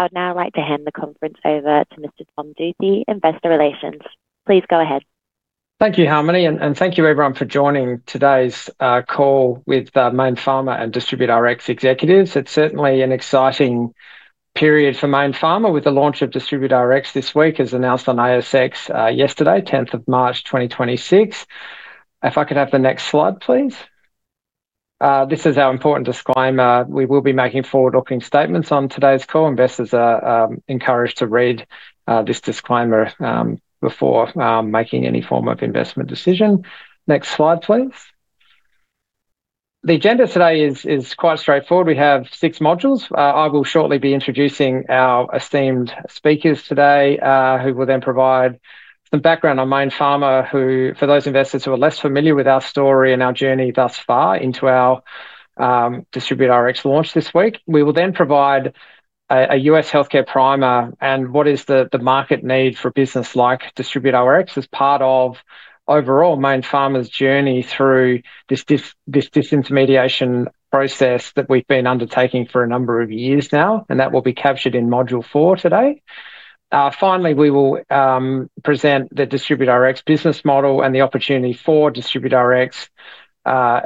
I would now like to hand the conference over to Mr. Tom Duthy, Investor Relations. Please go ahead. Thank you, Harmony, and thank you everyone for joining today's call with Mayne Pharma and DistributeRx executives. It's certainly an exciting period for Mayne Pharma with the launch of DistributeRx this week, as announced on ASX yesterday, 10th of March, 2026. If I could have the next slide, please. This is our important disclaimer. We will be making forward-looking statements on today's call. Investors are encouraged to read this disclaimer before making any form of investment decision. Next slide, please. The agenda today is quite straightforward. We have six modules. I will shortly be introducing our esteemed speakers today, who will then provide some background on Mayne Pharma, who for those investors who are less familiar with our story and our journey thus far into our DistributeRx launch this week. We will then provide a U.S. healthcare primer and what is the market need for business like DistributeRx as part of overall Mayne Pharma's journey through this disintermediation process that we've been undertaking for a number of years now, and that will be captured in module four today. Finally, we will present the DistributeRx business model and the opportunity for DistributeRx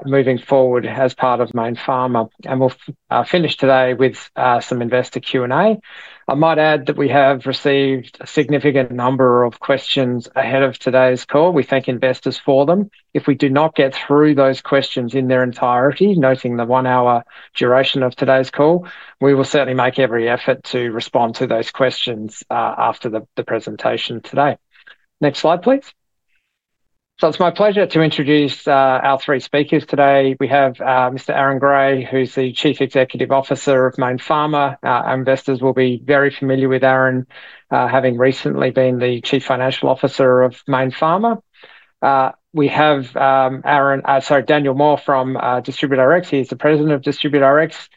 moving forward as part of Mayne Pharma. We'll finish today with some investor Q&A. I might add that we have received a significant number of questions ahead of today's call. We thank investors for them. If we do not get through those questions in their entirety, noting the one-hour duration of today's call, we will certainly make every effort to respond to those questions after the presentation today. Next slide, please. It's my pleasure to introduce our three speakers today. We have Mr. Aaron Gray, who's the Chief Executive Officer of Mayne Pharma. Our investors will be very familiar with Aaron, having recently been the Chief Financial Officer of Mayne Pharma. We have Daniel Moore from DistributeRx. He is the President of DistributeRx.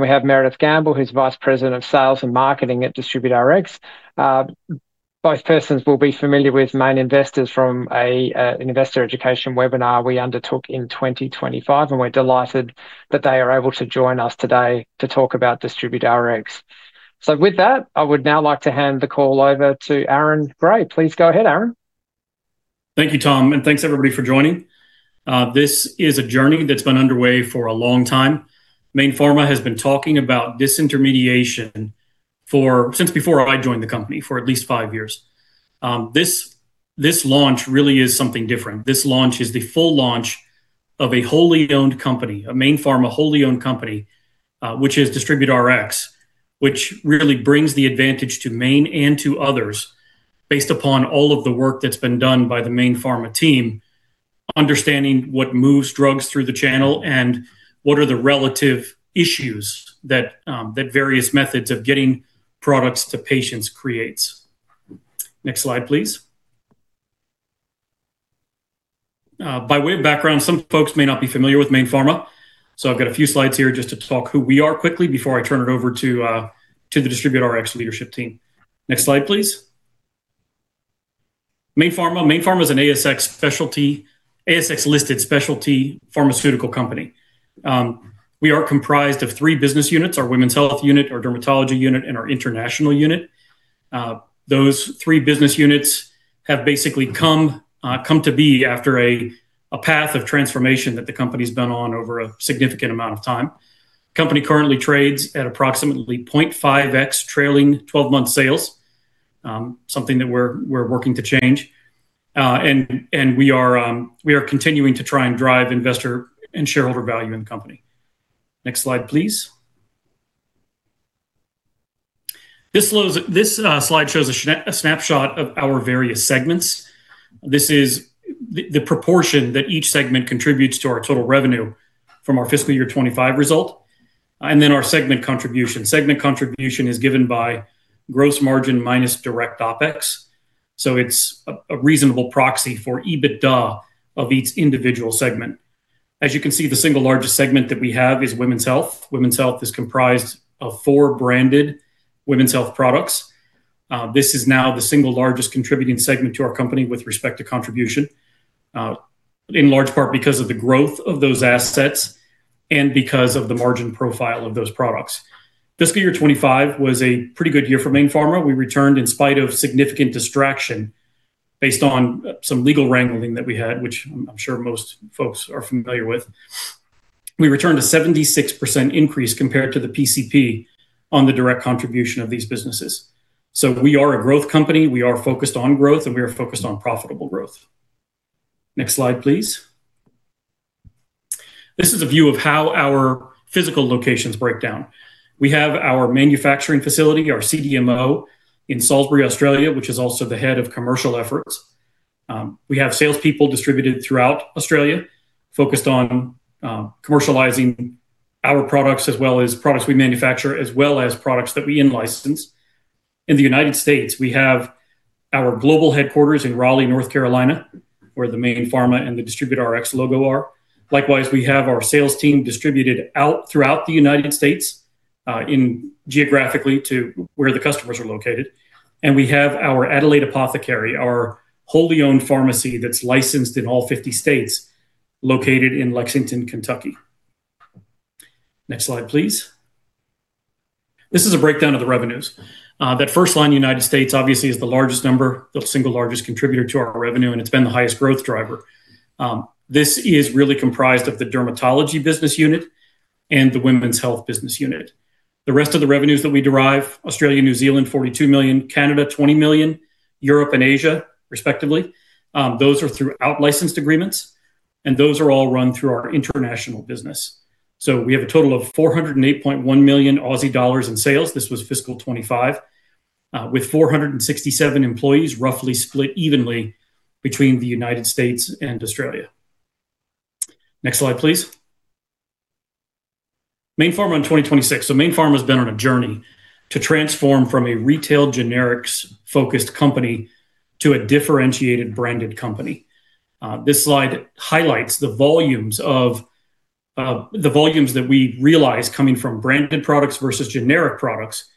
We have Meredith Gambill, who's Vice President of Sales and Marketing at DistributeRx. Both persons will be familiar with Mayne investors from an investor education webinar we undertook in 2025, and we're delighted that they are able to join us today to talk about DistributeRx. With that, I would now like to hand the call over to Aaron Gray. Please go ahead, Aaron. Thank you, Tom, and thanks everybody for joining. This is a journey that's been underway for a long time. Mayne Pharma has been talking about disintermediation since before I joined the company, for at least five years. This launch really is something different. This launch is the full launch of a wholly owned company, a Mayne Pharma wholly owned company, which is DistributeRx, which really brings the advantage to Mayne and to others based upon all of the work that's been done by the Mayne Pharma team, understanding what moves drugs through the channel and what are the relative issues that various methods of getting products to patients creates. Next slide, please. By way of background, some folks may not be familiar with Mayne Pharma, so I've got a few slides here just to talk who we are quickly before I turn it over to the DistributeRx leadership team. Next slide, please. Mayne Pharma. Mayne Pharma is an ASX-listed specialty pharmaceutical company. We are comprised of three business units: our women's health unit, our dermatology unit, and our international unit. Those three business units have basically come to be after a path of transformation that the company's been on over a significant amount of time. Company currently trades at approximately 0.5x trailing twelve-month sales, something that we're working to change. We are continuing to try and drive investor and shareholder value in the company. Next slide, please. This slide shows a snapshot of our various segments. This is the proportion that each segment contributes to our total revenue from our fiscal year 2025 result, and then our segment contribution. Segment contribution is given by gross margin minus direct OpEx, so it's a reasonable proxy for EBITDA of each individual segment. As you can see, the single largest segment that we have is women's health. Women's health is comprised of four branded women's health products. This is now the single largest contributing segment to our company with respect to contribution, in large part because of the growth of those assets and because of the margin profile of those products. Fiscal year 2025 was a pretty good year for Mayne Pharma. We returned in spite of significant distraction based on some legal wrangling that we had, which I'm sure most folks are familiar with. We returned a 76% increase compared to the PCP on the direct contribution of these businesses. We are a growth company. We are focused on growth, and we are focused on profitable growth. Next slide, please. This is a view of how our physical locations break down. We have our manufacturing facility, our CDMO in Salisbury, Australia, which is also the head of commercial efforts. We have salespeople distributed throughout Australia focused on commercializing our products as well as products we manufacture, as well as products that we in-license. In the United States, we have our global headquarters in Raleigh, North Carolina, where the Mayne Pharma and the DistributeRx logo are. Likewise, we have our sales team distributed out throughout the United States in geographically to where the customers are located. We have our Adelaide Apothecary, our wholly owned pharmacy that's licensed in all 50 states, located in Lexington, Kentucky. Next slide, please. This is a breakdown of the revenues. That first line, United States, obviously is the largest number, the single largest contributor to our revenue, and it's been the highest growth driver. This is really comprised of the dermatology business unit and the women's health business unit. The rest of the revenues that we derive, Australia, New Zealand, 42 million, Canada, 20 million, Europe and Asia, respectively, those are through out-licensed agreements, and those are all run through our international business. We have a total of 408.1 million Aussie dollars in sales. This was fiscal 2025, with 467 employees, roughly split evenly between the United States and Australia. Next slide, please. Mayne Pharma in 2026. Mayne Pharma has been on a journey to transform from a retail generics-focused company to a differentiated branded company. This slide highlights the volumes that we realize coming from branded products versus generic products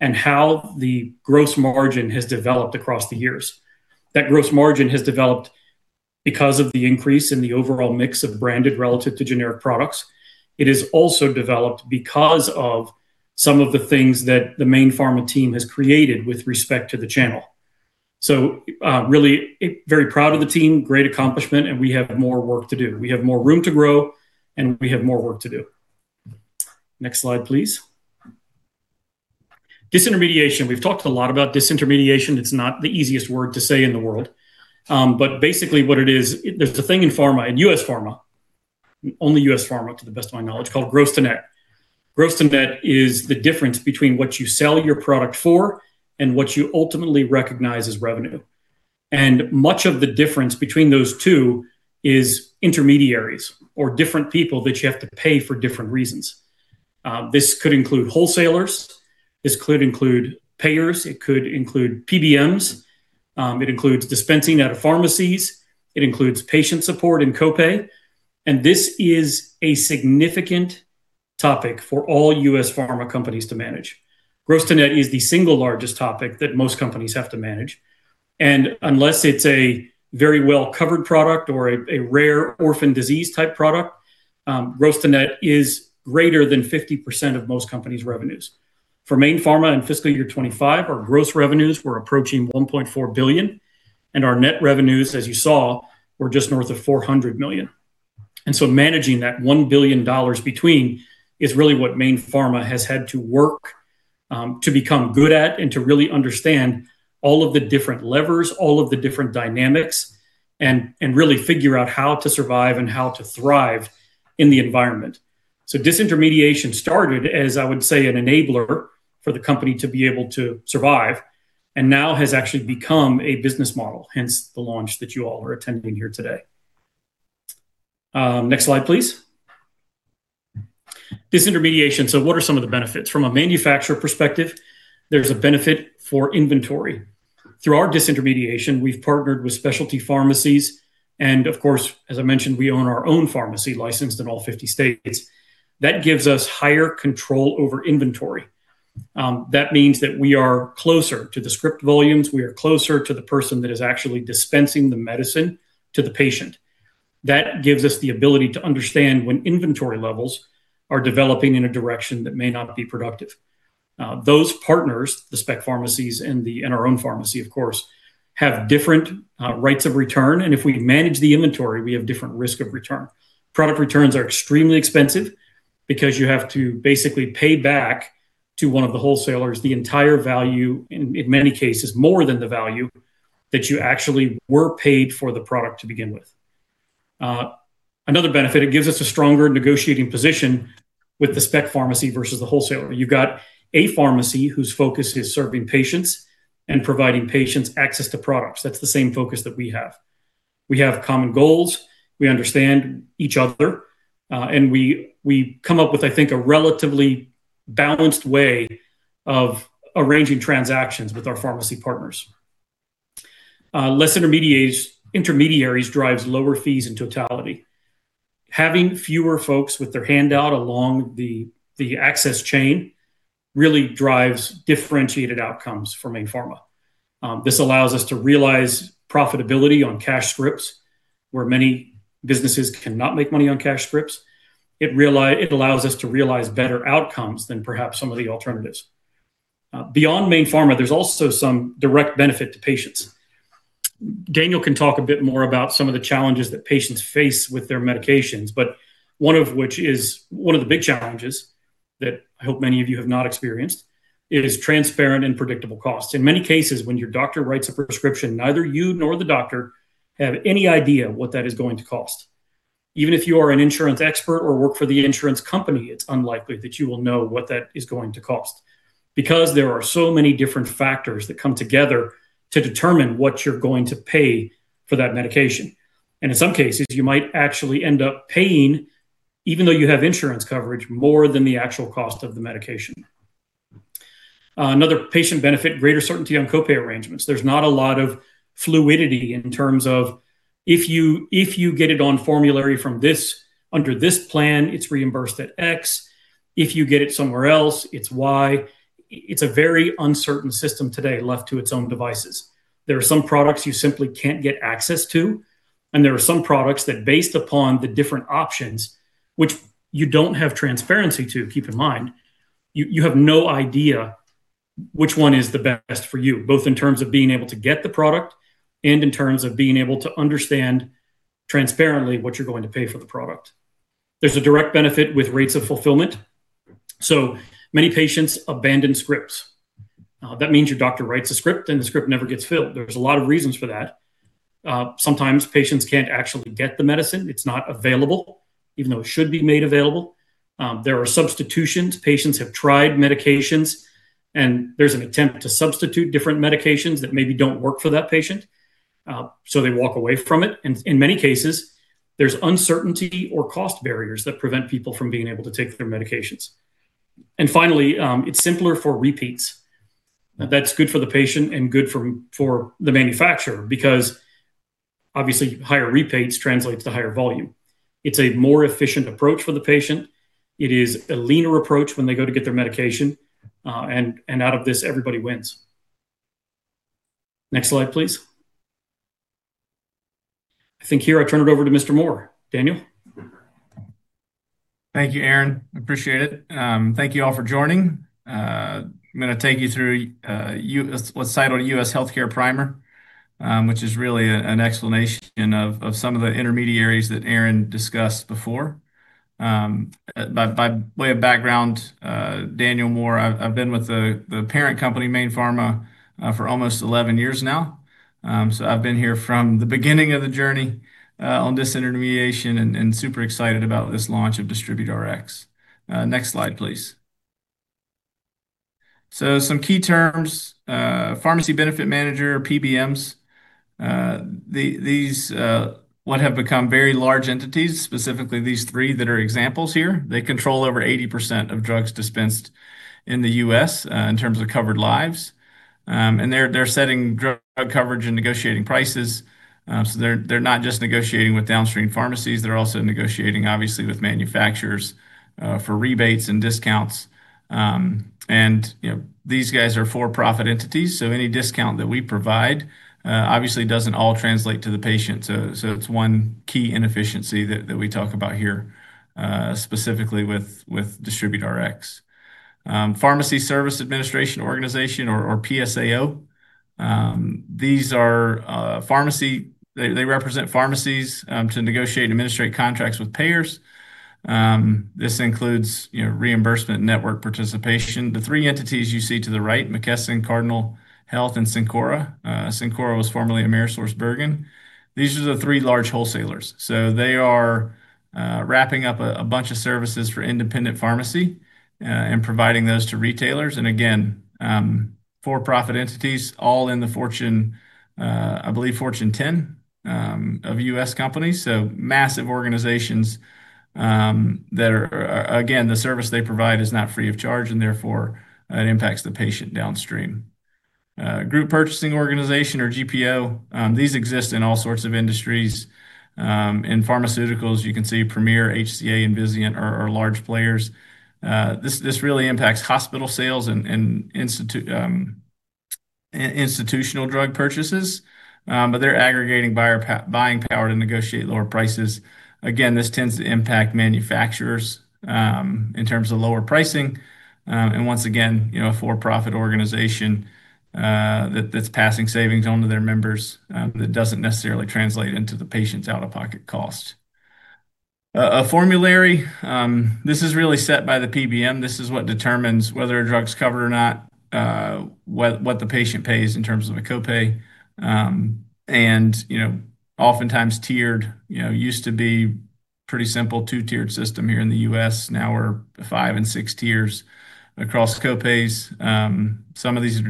and how the gross margin has developed across the years. That gross margin has developed because of the increase in the overall mix of branded relative to generic products. It is also developed because of some of the things that the Mayne Pharma team has created with respect to the channel. Really very proud of the team, great accomplishment, and we have more work to do. We have more room to grow, and we have more work to do. Next slide, please. Disintermediation. We've talked a lot about disintermediation. It's not the easiest word to say in the world. But basically what it is, there's a thing in pharma, in U.S. pharma, only U.S. pharma to the best of my knowledge, called gross to net. Gross to net is the difference between what you sell your product for and what you ultimately recognize as revenue. Much of the difference between those two is intermediaries or different people that you have to pay for different reasons. This could include wholesalers, this could include payers, it could include PBMs. It includes dispensing out of pharmacies, it includes patient support and copay. This is a significant topic for all U.S. pharma companies to manage. Gross to net is the single largest topic that most companies have to manage. Unless it's a very well-covered product or a rare orphan disease type product, gross to net is greater than 50% of most companies' revenues. For Mayne Pharma in fiscal year 2025, our gross revenues were approaching 1.4 billion, and our net revenues, as you saw, were just north of 400 million. Managing that 1 billion dollars between is really what Mayne Pharma has had to work to become good at and to really understand all of the different levers, all of the different dynamics, and really figure out how to survive and how to thrive in the environment. Disintermediation started as, I would say, an enabler for the company to be able to survive and now has actually become a business model, hence the launch that you all are attending here today. Next slide, please. Disintermediation. What are some of the benefits? From a manufacturer perspective, there's a benefit for inventory. Through our disintermediation, we've partnered with specialty pharmacies and of course, as I mentioned, we own our own pharmacy licensed in all 50 states. That gives us higher control over inventory. That means that we are closer to the script volumes. We are closer to the person that is actually dispensing the medicine to the patient. That gives us the ability to understand when inventory levels are developing in a direction that may not be productive. Those partners, the specialty pharmacies and our own pharmacy, of course, have different rates of return. If we manage the inventory, we have different risk of return. Product returns are extremely expensive because you have to basically pay back to one of the wholesalers the entire value, in many cases more than the value, that you actually were paid for the product to begin with. Another benefit, it gives us a stronger negotiating position with the spec pharmacy versus the wholesaler. You've got a pharmacy whose focus is serving patients and providing patients access to products. That's the same focus that we have. We have common goals. We understand each other, and we come up with, I think, a relatively balanced way of arranging transactions with our pharmacy partners. Less intermediaries drives lower fees in totality. Having fewer folks with their hand out along the access chain really drives differentiated outcomes for Mayne Pharma. This allows us to realize profitability on cash scripts where many businesses cannot make money on cash scripts. It allows us to realize better outcomes than perhaps some of the alternatives. Beyond Mayne Pharma, there's also some direct benefit to patients. Daniel can talk a bit more about some of the challenges that patients face with their medications, but one of which is one of the big challenges that I hope many of you have not experienced, is transparent and predictable costs. In many cases, when your doctor writes a prescription, neither you nor the doctor have any idea what that is going to cost. Even if you are an insurance expert or work for the insurance company, it's unlikely that you will know what that is going to cost because there are so many different factors that come together to determine what you're going to pay for that medication. In some cases, you might actually end up paying, even though you have insurance coverage, more than the actual cost of the medication. Another patient benefit, greater certainty on copay arrangements. There's not a lot of fluidity in terms of if you get it on formulary from this, under this plan, it's reimbursed at X. If you get it somewhere else, it's Y. It's a very uncertain system today left to its own devices. There are some products you simply can't get access to, and there are some products that based upon the different options, which you don't have transparency to. Keep in mind, you have no idea which one is the best for you, both in terms of being able to get the product and in terms of being able to understand transparently what you're going to pay for the product. There's a direct benefit with rates of fulfillment. So many patients abandon scripts. That means your doctor writes a script, and the script never gets filled. There's a lot of reasons for that. Sometimes patients can't actually get the medicine. It's not available, even though it should be made available. There are substitutions. Patients have tried medications, and there's an attempt to substitute different medications that maybe don't work for that patient, so they walk away from it. In many cases, there's uncertainty or cost barriers that prevent people from being able to take their medications. Finally, it's simpler for repeats. That's good for the patient and good for the manufacturer because obviously higher repeats translates to higher volume. It's a more efficient approach for the patient. It is a leaner approach when they go to get their medication, and out of this, everybody wins. Next slide, please. I think here I turn it over to Mr. Moore. Daniel. Thank you, Aaron. Appreciate it. Thank you all for joining. I'm gonna take you through, let's title a U.S. healthcare primer, which is really an explanation of some of the intermediaries that Aaron discussed before. By way of background, Daniel Moore, I've been with the parent company, Mayne Pharma, for almost 11 years now. I've been here from the beginning of the journey on disintermediation and super excited about this launch of DistributeRx. Next slide, please. Some key terms, pharmacy benefit manager, PBMs. These, what have become very large entities, specifically these three that are examples here, they control over 80% of drugs dispensed in the U.S., in terms of covered lives. They're setting drug coverage and negotiating prices. They're not just negotiating with downstream pharmacies, they're also negotiating obviously with manufacturers for rebates and discounts. You know, these guys are for-profit entities, so any discount that we provide obviously doesn't all translate to the patient. It's one key inefficiency that we talk about here specifically with DistributeRx. Pharmacy service administration organization or PSAO. They represent pharmacies to negotiate and administrate contracts with payers. This includes, you know, reimbursement, network participation. The three entities you see to the right, McKesson, Cardinal Health, and Cencora. Cencora was formerly AmerisourceBergen. These are the three large wholesalers. They are wrapping up a bunch of services for independent pharmacy and providing those to retailers. Again, for-profit entities all in the Fortune 10, I believe, of U.S. companies. Massive organizations that the service they provide is not free of charge, and therefore, it impacts the patient downstream. Group purchasing organization or GPO. These exist in all sorts of industries. In pharmaceuticals, you can see Premier, Inc., HCA Healthcare, and Vizient, Inc. are large players. This really impacts hospital sales and institutional drug purchases, but they're aggregating buying power to negotiate lower prices. Again, this tends to impact manufacturers in terms of lower pricing. Once again, you know, a for-profit organization that's passing savings on to their members that doesn't necessarily translate into the patient's out-of-pocket cost. A formulary. This is really set by the PBM. This is what determines whether a drug's covered or not, what the patient pays in terms of a copay. You know, oftentimes tiered. You know, used to be pretty simple two-tiered system here in the U.S.. Now we're five and six tiers across copays. Some of these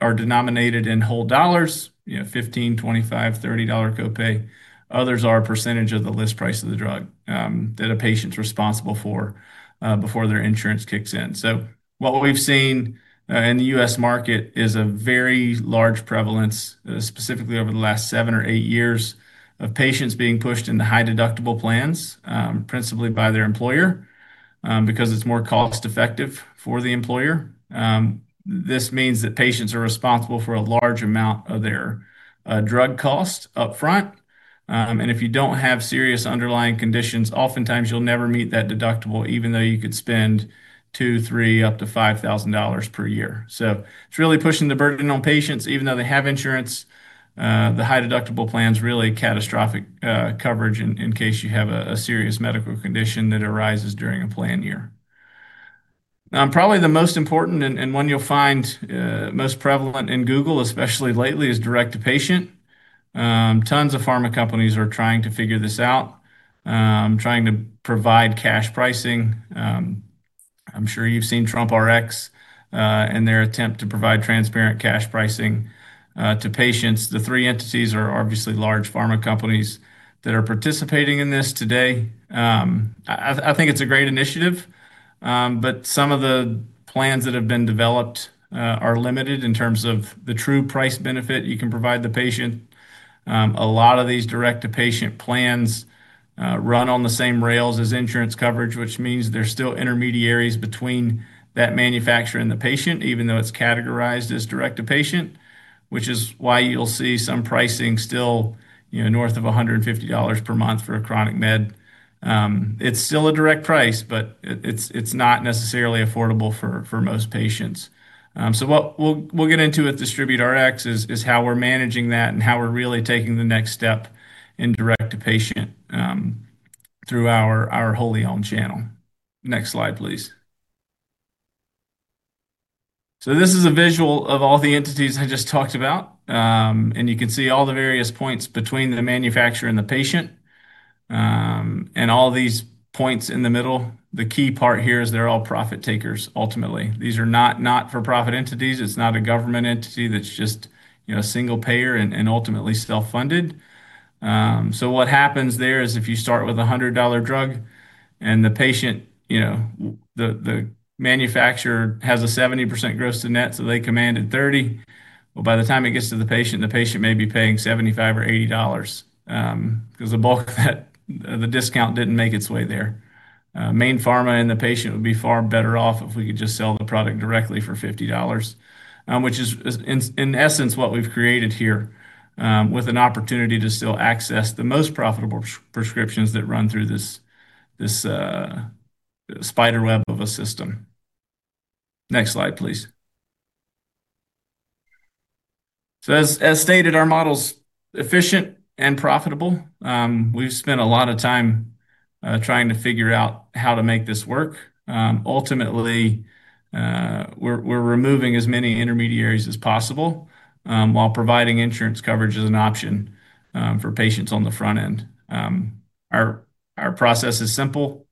are denominated in whole dollars, you know, 15, 25, 30 dollar copay. Others are a percentage of the list price of the drug, that a patient's responsible for, before their insurance kicks in. What we've seen in the U.S. market is a very large prevalence, specifically over the last seven or eight years, of patients being pushed into high-deductible plans, principally by their employer, because it's more cost-effective for the employer. This means that patients are responsible for a large amount of their drug cost up front. If you don't have serious underlying conditions, oftentimes you'll never meet that deductible, even though you could spend $2, $3, up to $5,000 per year. It's really pushing the burden on patients, even though they have insurance. The high-deductible plan's really catastrophic coverage in case you have a serious medical condition that arises during a plan year. Probably the most important one you'll find most prevalent in Google, especially lately, is direct to patient. Tons of pharma companies are trying to figure this out, trying to provide cash pricing. I'm sure you've seen TrumpRx in their attempt to provide transparent cash pricing to patients. The three entities are obviously large pharma companies that are participating in this today. I think it's a great initiative, but some of the plans that have been developed are limited in terms of the true price benefit you can provide the patient. A lot of these direct-to-patient plans run on the same rails as insurance coverage, which means there's still intermediaries between that manufacturer and the patient, even though it's categorized as direct to patient, which is why you'll see some pricing still, you know, north of $150 per month for a chronic med. It's still a direct price, but it's not necessarily affordable for most patients. What we'll get into with DistributeRx is how we're managing that and how we're really taking the next step in direct to patient through our wholly owned channel. Next slide, please. This is a visual of all the entities I just talked about. You can see all the various points between the manufacturer and the patient. All these points in the middle, the key part here is they're all profit takers, ultimately. These are not-for-profit entities. It's not a government entity that's just single payer and ultimately self-funded. What happens there is if you start with a $100 drug. The manufacturer has a 70% gross to net, so they command $30. Well, by the time it gets to the patient, the patient may be paying $75 or $80, 'cause the bulk of that, the discount didn't make its way there. Mayne Pharma and the patient would be far better off if we could just sell the product directly for $50, which is in essence what we've created here, with an opportunity to still access the most profitable prescriptions that run through this spiderweb of a system. Next slide, please. As stated, our model's efficient and profitable. We've spent a lot of time trying to figure out how to make this work. Ultimately, we're removing as many intermediaries as possible, while providing insurance coverage as an option for patients on the front end. Our process is simple.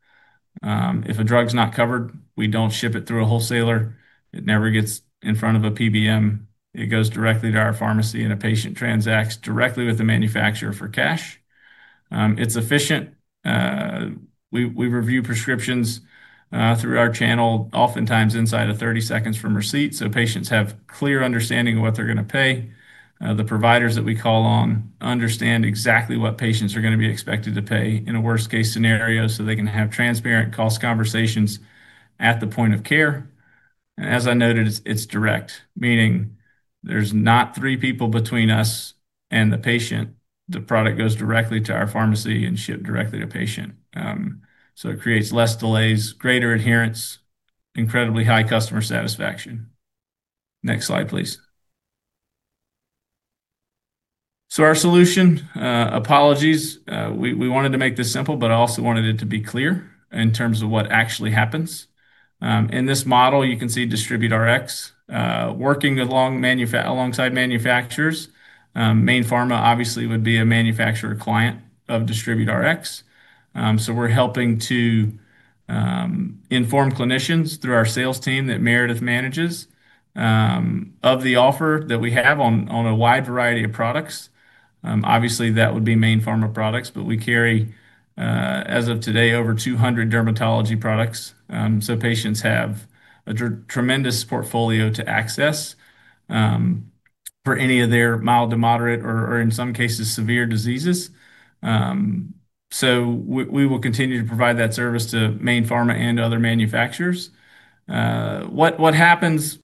If a drug's not covered, we don't ship it through a wholesaler. It never gets in front of a PBM. It goes directly to our pharmacy, and a patient transacts directly with the manufacturer for cash. It's efficient. We review prescriptions through our channel, oftentimes inside of 30 seconds from receipt, so patients have clear understanding of what they're gonna pay. The providers that we call on understand exactly what patients are gonna be expected to pay in a worst-case scenario, so they can have transparent cost conversations at the point of care. As I noted, it's direct, meaning there's not three people between us and the patient. The product goes directly to our pharmacy and shipped directly to patient. It creates less delays, greater adherence, incredibly high customer satisfaction. Next slide, please. Our solution, apologies, we wanted to make this simple, but I also wanted it to be clear in terms of what actually happens. In this model, you can see DistributeRx working alongside manufacturers. Mayne Pharma obviously would be a manufacturer client of DistributeRx. We're helping to inform clinicians through our sales team that Meredith manages of the offer that we have on a wide variety of products. Obviously, that would be Mayne Pharma products, but we carry as of today, over 200 dermatology products. Patients have a tremendous portfolio to access for any of their mild to moderate or in some cases, severe diseases. We will continue to provide that service to Mayne Pharma and other manufacturers. What happens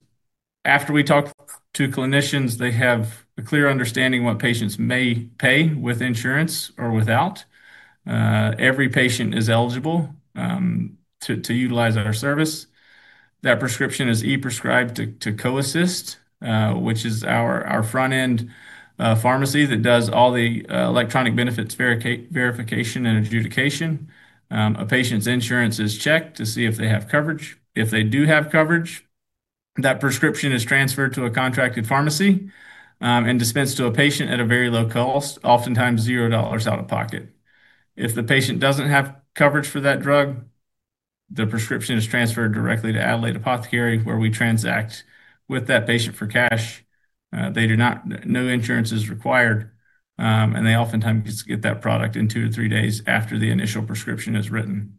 after we talk to clinicians. They have a clear understanding of what patients may pay with insurance or without. Every patient is eligible to utilize our service. That prescription is e-prescribed to CoAssist, which is our front-end pharmacy that does all the electronic benefits verification and adjudication. A patient's insurance is checked to see if they have coverage. If they do have coverage, that prescription is transferred to a contracted pharmacy and dispensed to a patient at a very low cost, oftentimes $0 out-of-pocket. If the patient doesn't have coverage for that drug, the prescription is transferred directly to Adelaide Apothecary, where we transact with that patient for cash. No insurance is required, and they oftentimes get that product in 2-3 days after the initial prescription is written.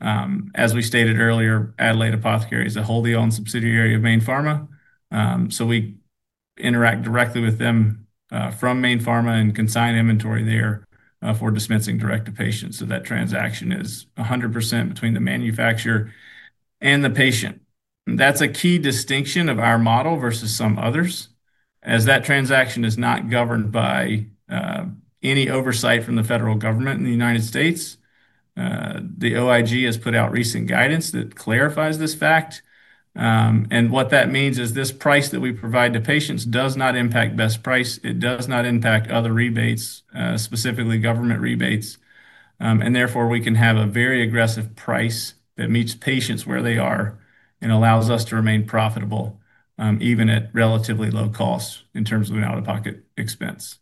As we stated earlier, Adelaide Apothecary is a wholly owned subsidiary of Mayne Pharma, so we interact directly with them, from Mayne Pharma and consign inventory there, for dispensing direct to patients. That transaction is 100% between the manufacturer and the patient. That's a key distinction of our model versus some others, as that transaction is not governed by any oversight from the federal government in the United States. The OIG has put out recent guidance that clarifies this fact. What that means is this price that we provide to patients does not impact best price. It does not impact other rebates, specifically government rebates. Therefore, we can have a very aggressive price that meets patients where they are and allows us to remain profitable, even at relatively low costs in terms of an out-of-pocket expense.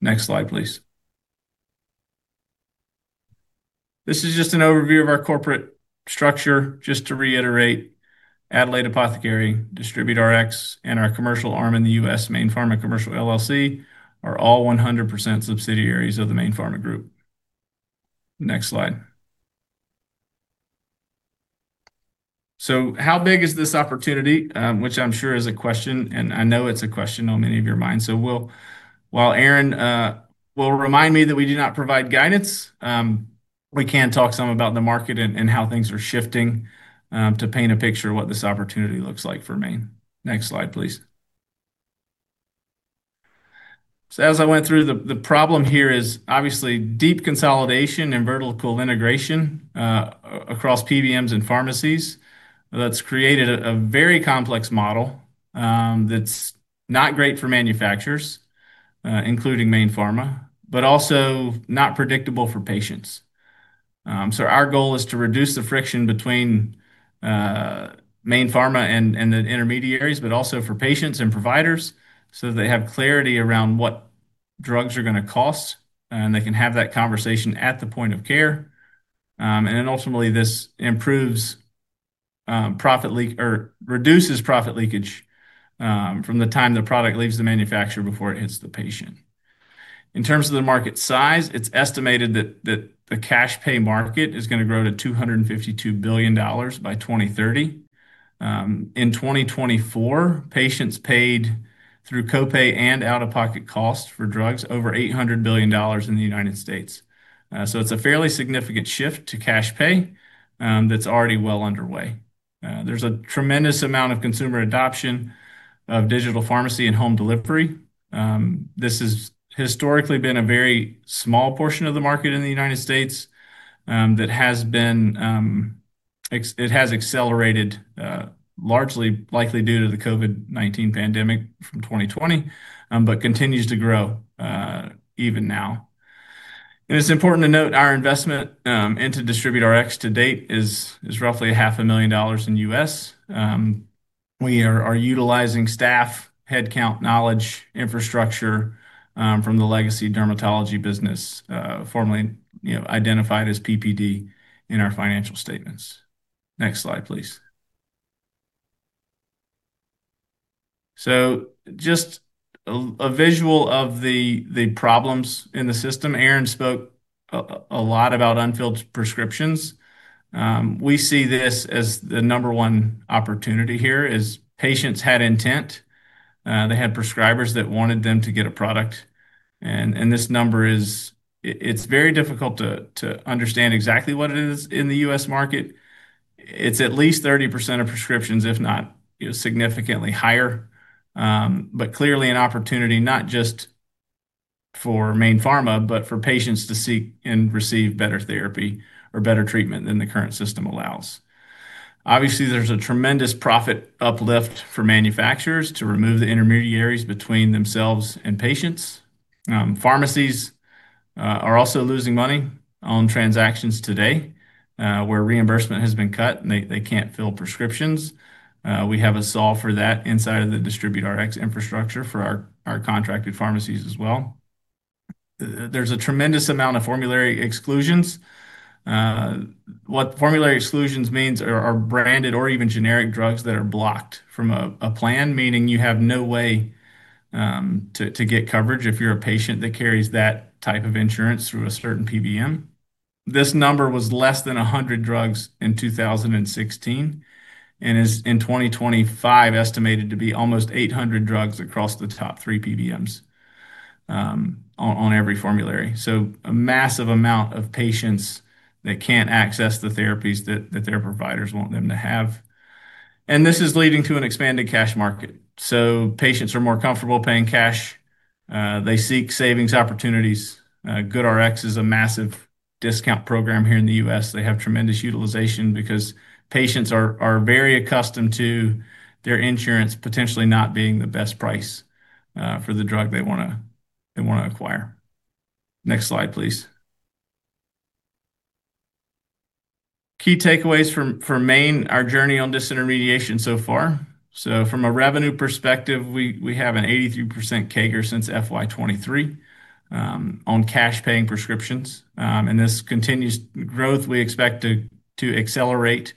Next slide, please. This is just an overview of our corporate structure. Just to reiterate, Adelaide Apothecary, DistributeRx, and our commercial arm in the U.S., Mayne Pharma Commercial LLC, are all 100% subsidiaries of the Mayne Pharma Group. Next slide. How big is this opportunity? Which I'm sure is a question, and I know it's a question on many of your minds. While Aaron will remind me that we do not provide guidance, we can talk some about the market and how things are shifting, to paint a picture of what this opportunity looks like for Mayne. Next slide, please. As I went through, the problem here is obviously deep consolidation and vertical integration across PBMs and pharmacies that's created a very complex model that's not great for manufacturers, including Mayne Pharma, but also not predictable for patients. Our goal is to reduce the friction between Mayne Pharma and the intermediaries, but also for patients and providers, so that they have clarity around what drugs are gonna cost, and they can have that conversation at the point of care. Ultimately, this reduces profit leakage from the time the product leaves the manufacturer before it hits the patient. In terms of the market size, it's estimated that the cash pay market is gonna grow to $252 billion by 2030. In 2024, patients paid through copay and out-of-pocket costs for drugs over $800 billion in the United States. It's a fairly significant shift to cash pay, that's already well underway. There's a tremendous amount of consumer adoption of digital pharmacy and home delivery. This has historically been a very small portion of the market in the United States, that has accelerated, largely likely due to the COVID-19 pandemic from 2020, but continues to grow, even now. It's important to note our investment into DistributeRx to date is roughly half a million dollars in U.S.. We are utilizing staff, headcount, knowledge, infrastructure, from the legacy dermatology business, formerly, you know, identified as PPD in our financial statements. Next slide, please. Just a visual of the problems in the system. Aaron spoke a lot about unfilled prescriptions. We see this as the number one opportunity here is patients had intent, they had prescribers that wanted them to get a product and this number is. It's very difficult to understand exactly what it is in the U.S. market. It's at least 30% of prescriptions, if not, you know, significantly higher. Clearly an opportunity not just for Mayne Pharma, but for patients to seek and receive better therapy or better treatment than the current system allows. Obviously, there's a tremendous profit uplift for manufacturers to remove the intermediaries between themselves and patients. Pharmacies are also losing money on transactions today, where reimbursement has been cut, and they can't fill prescriptions. We have a solve for that inside of the DistributeRx infrastructure for our contracted pharmacies as well. There's a tremendous amount of formulary exclusions. What formulary exclusions means are branded or even generic drugs that are blocked from a plan, meaning you have no way to get coverage if you're a patient that carries that type of insurance through a certain PBM. This number was less than 100 drugs in 2016 and is in 2025 estimated to be almost 800 drugs across the top three PBMs on every formulary. A massive amount of patients that can't access the therapies that their providers want them to have. This is leading to an expanded cash market. Patients are more comfortable paying cash. They seek savings opportunities. GoodRx is a massive discount program here in the U.S.. They have tremendous utilization because patients are very accustomed to their insurance potentially not being the best price for the drug they wanna acquire. Next slide, please. Key takeaways for Mayne from our journey on disintermediation so far. From a revenue perspective, we have an 83% CAGR since FY 2023 on cash-paying prescriptions. This continued growth we expect to accelerate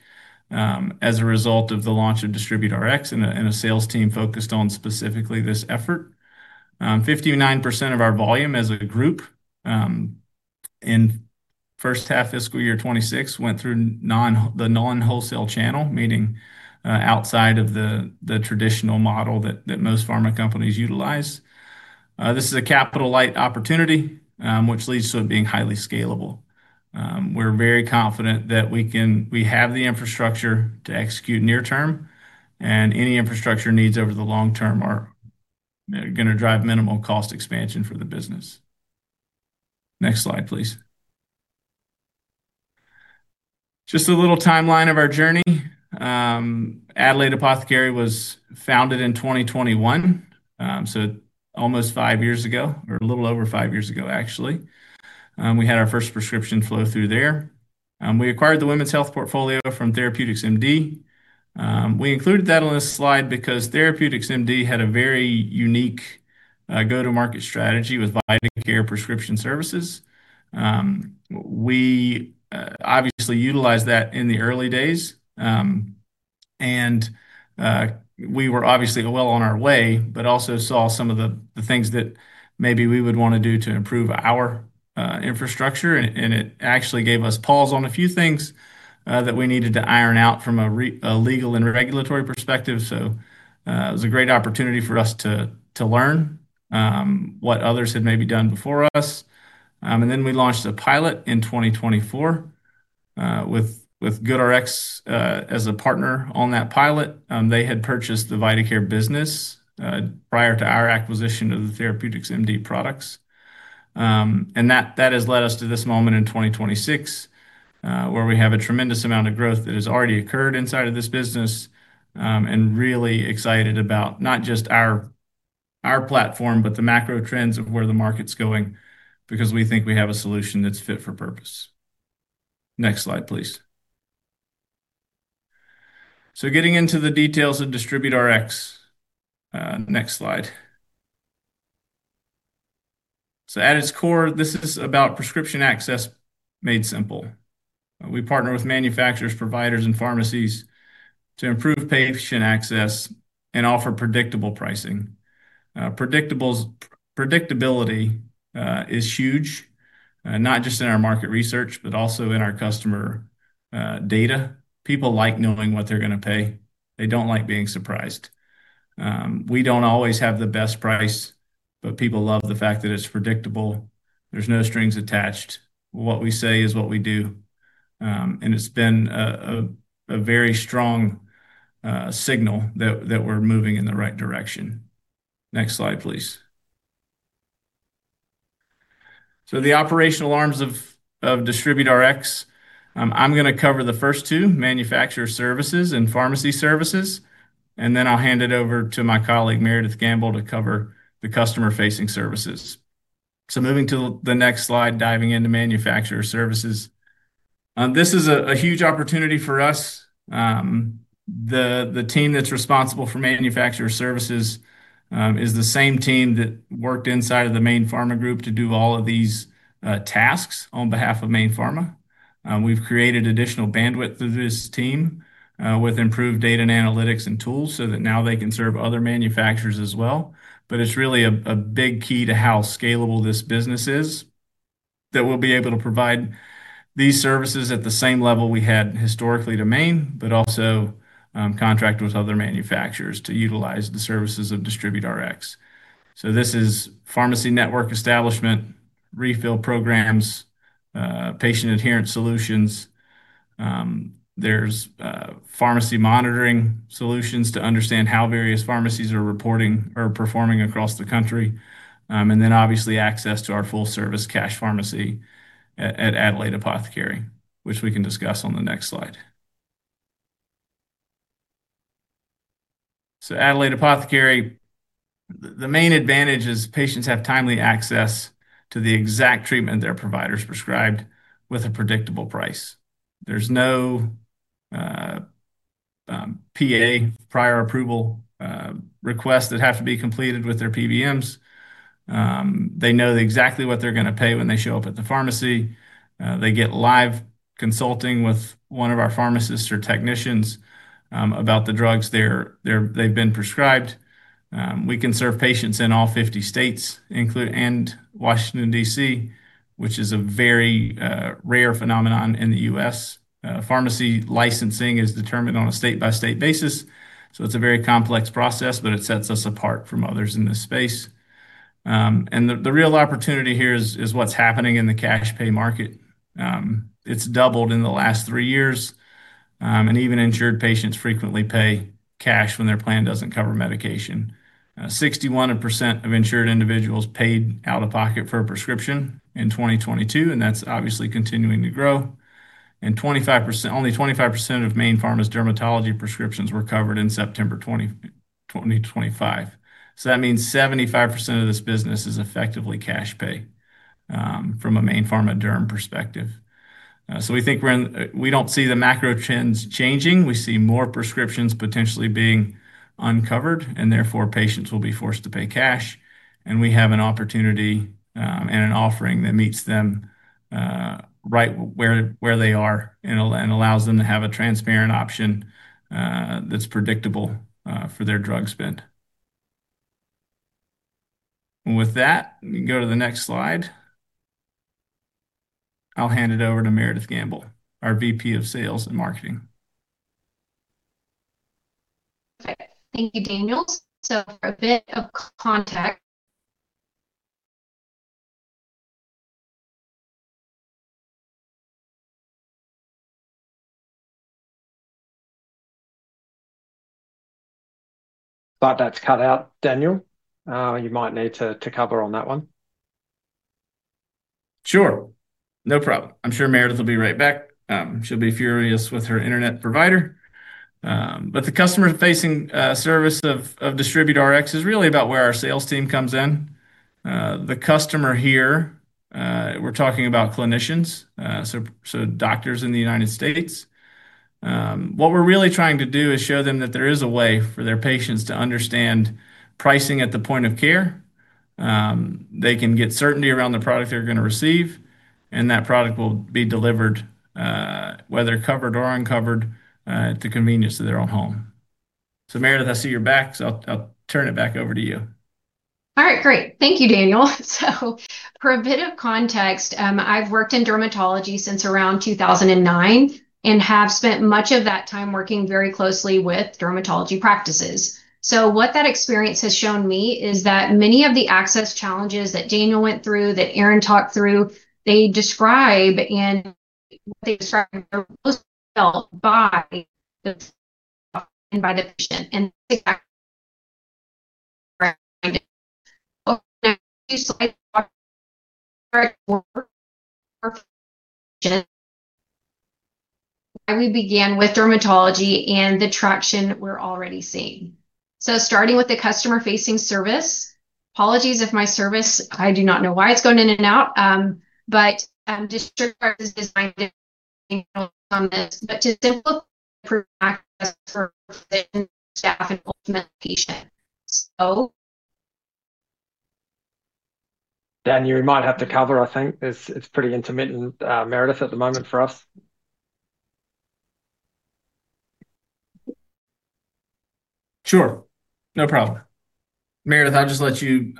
as a result of the launch of DistributeRx and a sales team focused on specifically this effort. 59% of our volume as a group in first half fiscal year 2026 went through the non-wholesale channel, meaning outside of the traditional model that most pharma companies utilize. This is a capital-light opportunity, which leads to it being highly scalable. We're very confident that we have the infrastructure to execute near term, and any infrastructure needs over the long term are gonna drive minimal cost expansion for the business. Next slide, please. Just a little timeline of our journey. Adelaide Apothecary was founded in 2021, so almost five years ago, or a little over five years ago, actually. We had our first prescription flow through there. We acquired the women's health portfolio from TherapeuticsMD. We included that on this slide because TherapeuticsMD had a very unique go-to-market strategy with vitaCare prescription services. We obviously utilized that in the early days, and we were obviously well on our way, but also saw some of the things that maybe we would wanna do to improve our infrastructure. It actually gave us pause on a few things that we needed to iron out from a legal and regulatory perspective. It was a great opportunity for us to learn what others had maybe done before us. Then we launched a pilot in 2024 with GoodRx as a partner on that pilot. They had purchased the vitaCare business prior to our acquisition of the TherapeuticsMD products. That has led us to this moment in 2026, where we have a tremendous amount of growth that has already occurred inside of this business. Really excited about not just our platform, but the macro trends of where the market's going because we think we have a solution that's fit for purpose. Next slide, please. Getting into the details of DistributeRx. Next slide. At its core, this is about prescription access made simple. We partner with manufacturers, providers, and pharmacies to improve patient access and offer predictable pricing. Predictability is huge, not just in our market research, but also in our customer data. People like knowing what they're gonna pay. They don't like being surprised. We don't always have the best price, but people love the fact that it's predictable. There are no strings attached. What we say is what we do. It's been a very strong signal that we're moving in the right direction. Next slide, please. The operational arms of DistributeRx, I'm gonna cover the first two, manufacturer services and pharmacy services, and then I'll hand it over to my colleague, Meredith Gambill, to cover the customer-facing services. Moving to the next slide, diving into manufacturer services. This is a huge opportunity for us. The team that's responsible for manufacturer services is the same team that worked inside of the Mayne Pharma Group to do all of these tasks on behalf of Mayne Pharma. We've created additional bandwidth through this team with improved data and analytics and tools so that now they can serve other manufacturers as well. It's really a big key to how scalable this business is, that we'll be able to provide these services at the same level we had historically to Mayne, but also contract with other manufacturers to utilize the services of DistributeRx. This is pharmacy network establishment, refill programs, patient adherence solutions. There's pharmacy monitoring solutions to understand how various pharmacies are reporting or performing across the country. And then obviously access to our full-service cash pharmacy at Adelaide Apothecary, which we can discuss on the next slide. Adelaide Apothecary, the main advantage is patients have timely access to the exact treatment their providers prescribed with a predictable price. There's no PA prior approval requests that have to be completed with their PBMs. They know exactly what they're gonna pay when they show up at the pharmacy. They get live consulting with one of our pharmacists or technicians about the drugs they've been prescribed. We can serve patients in all 50 states and Washington, D.C., which is a very rare phenomenon in the U.S.. Pharmacy licensing is determined on a state-by-state basis, so it's a very complex process, but it sets us apart from others in this space. The real opportunity here is what's happening in the cash pay market. It's doubled in the last three years, and even insured patients frequently pay cash when their plan doesn't cover medication. 61% of insured individuals paid out-of-pocket for a prescription in 2022, and that's obviously continuing to grow. Only 25% of Mayne Pharma's dermatology prescriptions were covered in September 2025. That means 75% of this business is effectively cash pay from a Mayne Pharma derm perspective. We don't see the macro trends changing. We see more prescriptions potentially being uncovered, and therefore patients will be forced to pay cash. We have an opportunity and an offering that meets them right where they are and allows them to have a transparent option that's predictable for their drug spend. With that, we can go to the next slide. I'll hand it over to Meredith Gambill, our VP of Sales and Marketing. Okay. Thank you, Daniel. For a bit of context- That's cut out, Daniel. You might need to cover on that one. Sure. No problem. I'm sure Meredith will be right back. She'll be furious with her internet provider. The customer-facing service of DistributeRx is really about where our sales team comes in. The customer here, we're talking about clinicians, so doctors in the United States. What we're really trying to do is show them that there is a way for their patients to understand pricing at the point of care. They can get certainty around the product they're gonna receive, and that product will be delivered, whether covered or uncovered, at the convenience of their own home. Meredith, I see you're back, so I'll turn it back over to you. All right. Great. Thank you, Daniel. For a bit of context, I've worked in dermatology since around 2009 and have spent much of that time working very closely with dermatology practices. What that experience has shown me is that many of the access challenges that Daniel went through, that Aaron talked through, they describe and what they describe are most felt by the patient and.... [inaudible] Daniel, you might have to cover, I think. It's pretty intermittent, Meredith at the moment for us. Sure. No problem. Meredith, I'll just let you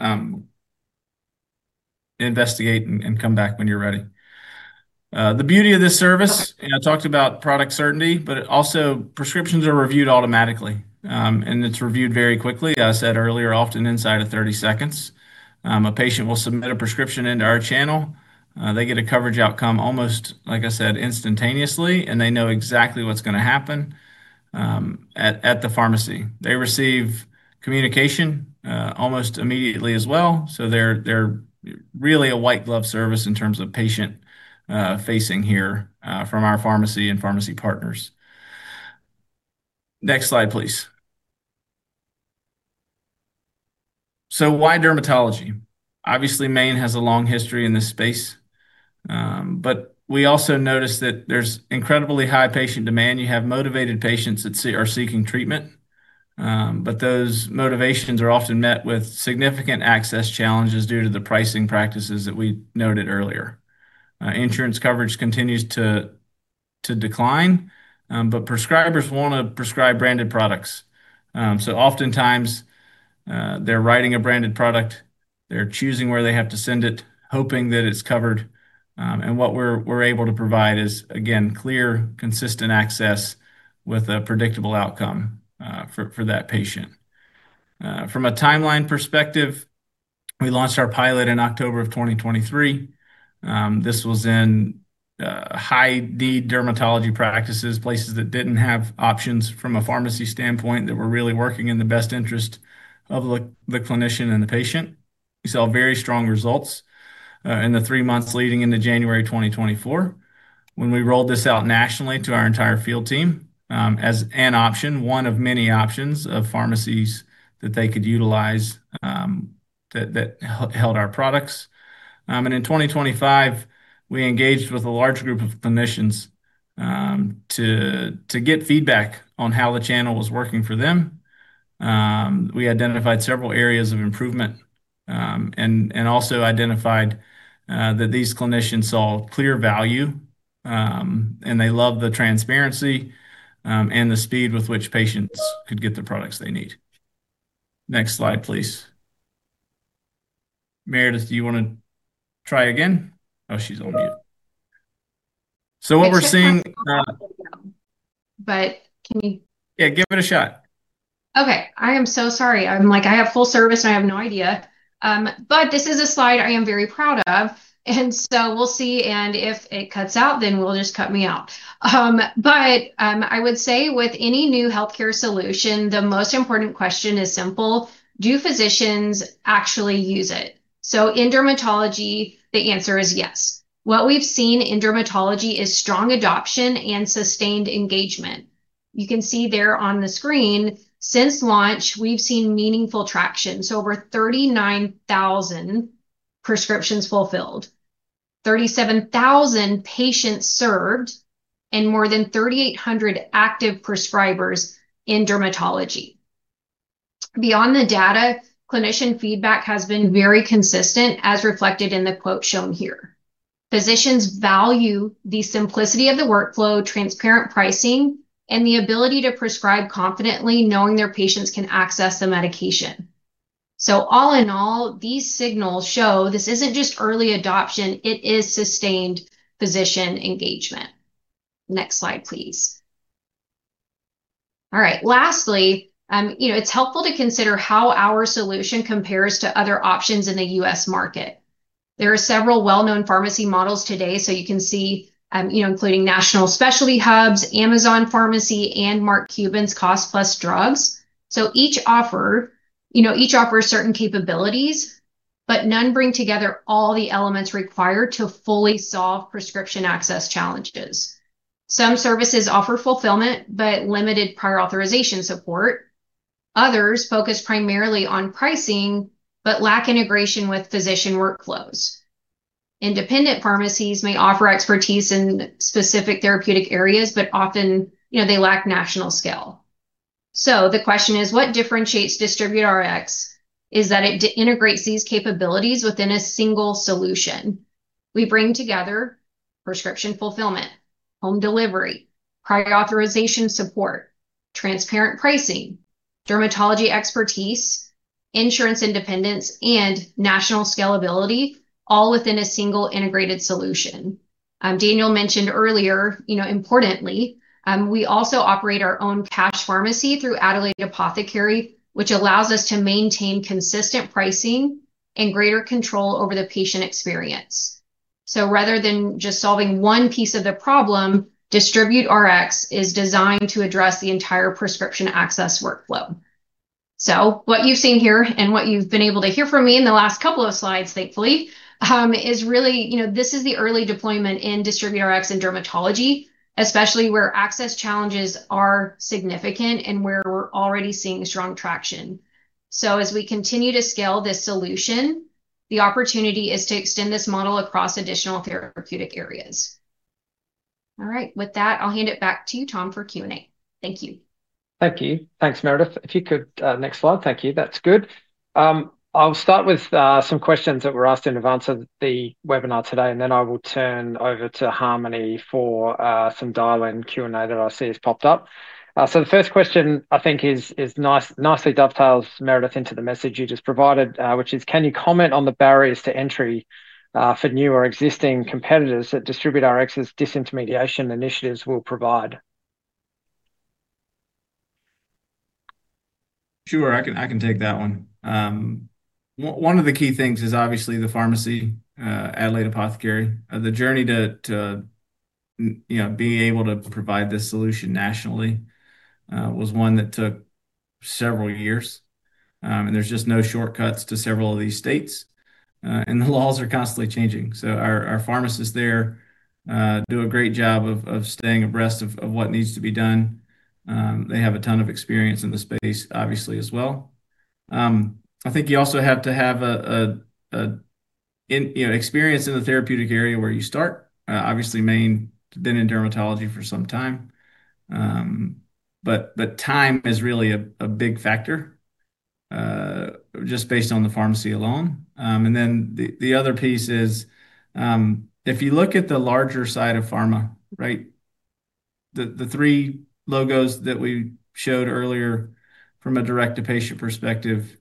investigate and come back when you're ready. The beauty of this service, you know, talked about product certainty, but it also prescriptions are reviewed automatically. It's reviewed very quickly, as said earlier, often inside of 30 seconds. A patient will submit a prescription into our channel. They get a coverage outcome almost, like I said, instantaneously, and they know exactly what's gonna happen at the pharmacy. They receive communication almost immediately as well, so they're really a white glove service in terms of patient facing here from our pharmacy and pharmacy partners. Next slide, please. So why dermatology? Obviously, Mayne has a long history in this space, but we also notice that there's incredibly high patient demand. You have motivated patients that are seeking treatment, but those motivations are often met with significant access challenges due to the pricing practices that we noted earlier. Insurance coverage continues to decline, but prescribers wanna prescribe branded products. Oftentimes, they're writing a branded product. They're choosing where they have to send it, hoping that it's covered. What we're able to provide is, again, clear, consistent access with a predictable outcome, for that patient. From a timeline perspective, we launched our pilot in October 2023. This was in high-need dermatology practices, places that didn't have options from a pharmacy standpoint that were really working in the best interest of the clinician and the patient. We saw very strong results in the three months leading into January 2024. When we rolled this out nationally to our entire field team as an option, one of many options of pharmacies that they could utilize that held our products. In 2025, we engaged with a large group of clinicians to get feedback on how the channel was working for them. We identified several areas of improvement and also identified that these clinicians saw clear value and they love the transparency and the speed with which patients could get the products they need. Next slide, please. Meredith, do you wanna try again? Oh, she's on mute. What we're seeing Can you? Yeah, give it a shot. Okay. I am so sorry. I have full service, and I have no idea. This is a slide I am very proud of, and we'll see. If it cuts out, then we'll just cut me out. I would say with any new healthcare solution, the most important question is simple: Do physicians actually use it? In dermatology, the answer is yes. What we've seen in dermatology is strong adoption and sustained engagement. You can see there on the screen, since launch, we've seen meaningful traction, so over 39,000 prescriptions fulfilled, 37,000 patients served, and more than 3,800 active prescribers in dermatology. Beyond the data, clinician feedback has been very consistent, as reflected in the quote shown here. Physicians value the simplicity of the workflow, transparent pricing, and the ability to prescribe confidently knowing their patients can access the medication. All in all, these signals show this isn't just early adoption, it is sustained physician engagement. Next slide, please. All right. Lastly, you know, it's helpful to consider how our solution compares to other options in the U.S. market. There are several well-known pharmacy models today, so you can see, you know, including national specialty hubs, Amazon Pharmacy, and Mark Cuban's Cost Plus Drugs. Each offers certain capabilities. None bring together all the elements required to fully solve prescription access challenges. Some services offer fulfillment, but limited prior authorization support. Others focus primarily on pricing, but lack integration with physician workflows. Independent pharmacies may offer expertise in specific therapeutic areas, but often, you know, they lack national scale. The question is: What differentiates DistributeRx is that it integrates these capabilities within a single solution. We bring together prescription fulfillment, home delivery, prior authorization support, transparent pricing, dermatology expertise, insurance independence, and national scalability all within a single integrated solution. Daniel mentioned earlier, you know, importantly, we also operate our own cash pharmacy through Adelaide Apothecary, which allows us to maintain consistent pricing and greater control over the patient experience. Rather than just solving one piece of the problem, DistributeRx is designed to address the entire prescription access workflow. What you've seen here and what you've been able to hear from me in the last couple of slides, thankfully, is really, you know, this is the early deployment in DistributeRx and dermatology, especially where access challenges are significant and where we're already seeing strong traction. As we continue to scale this solution, the opportunity is to extend this model across additional therapeutic areas. All right. With that, I'll hand it back to you, Tom, for Q&A. Thank you. Thank you. Thanks, Meredith. If you could, next slide. Thank you. That's good. I'll start with some questions that were asked in advance of the webinar today, and then I will turn over to Harmony for some dial-in Q&A that I see has popped up. The first question I think nicely dovetails, Meredith, into the message you just provided, which is: Can you comment on the barriers to entry for new or existing competitors that DistributeRx's disintermediation initiatives will provide? Sure. I can take that one. One of the key things is obviously the pharmacy, Adelaide Apothecary. The journey to you know being able to provide this solution nationally was one that took several years. There's just no shortcuts to several of these states, and the laws are constantly changing. Our pharmacists there do a great job of staying abreast of what needs to be done. They have a ton of experience in the space, obviously, as well. I think you also have to have an, you know, experience in the therapeutic area where you start. Obviously, Mayne been in dermatology for some time. The time is really a big factor, just based on the pharmacy alone. The other piece is, if you look at the larger side of pharma, right? The three logos that we showed earlier from a direct-to-patient perspective,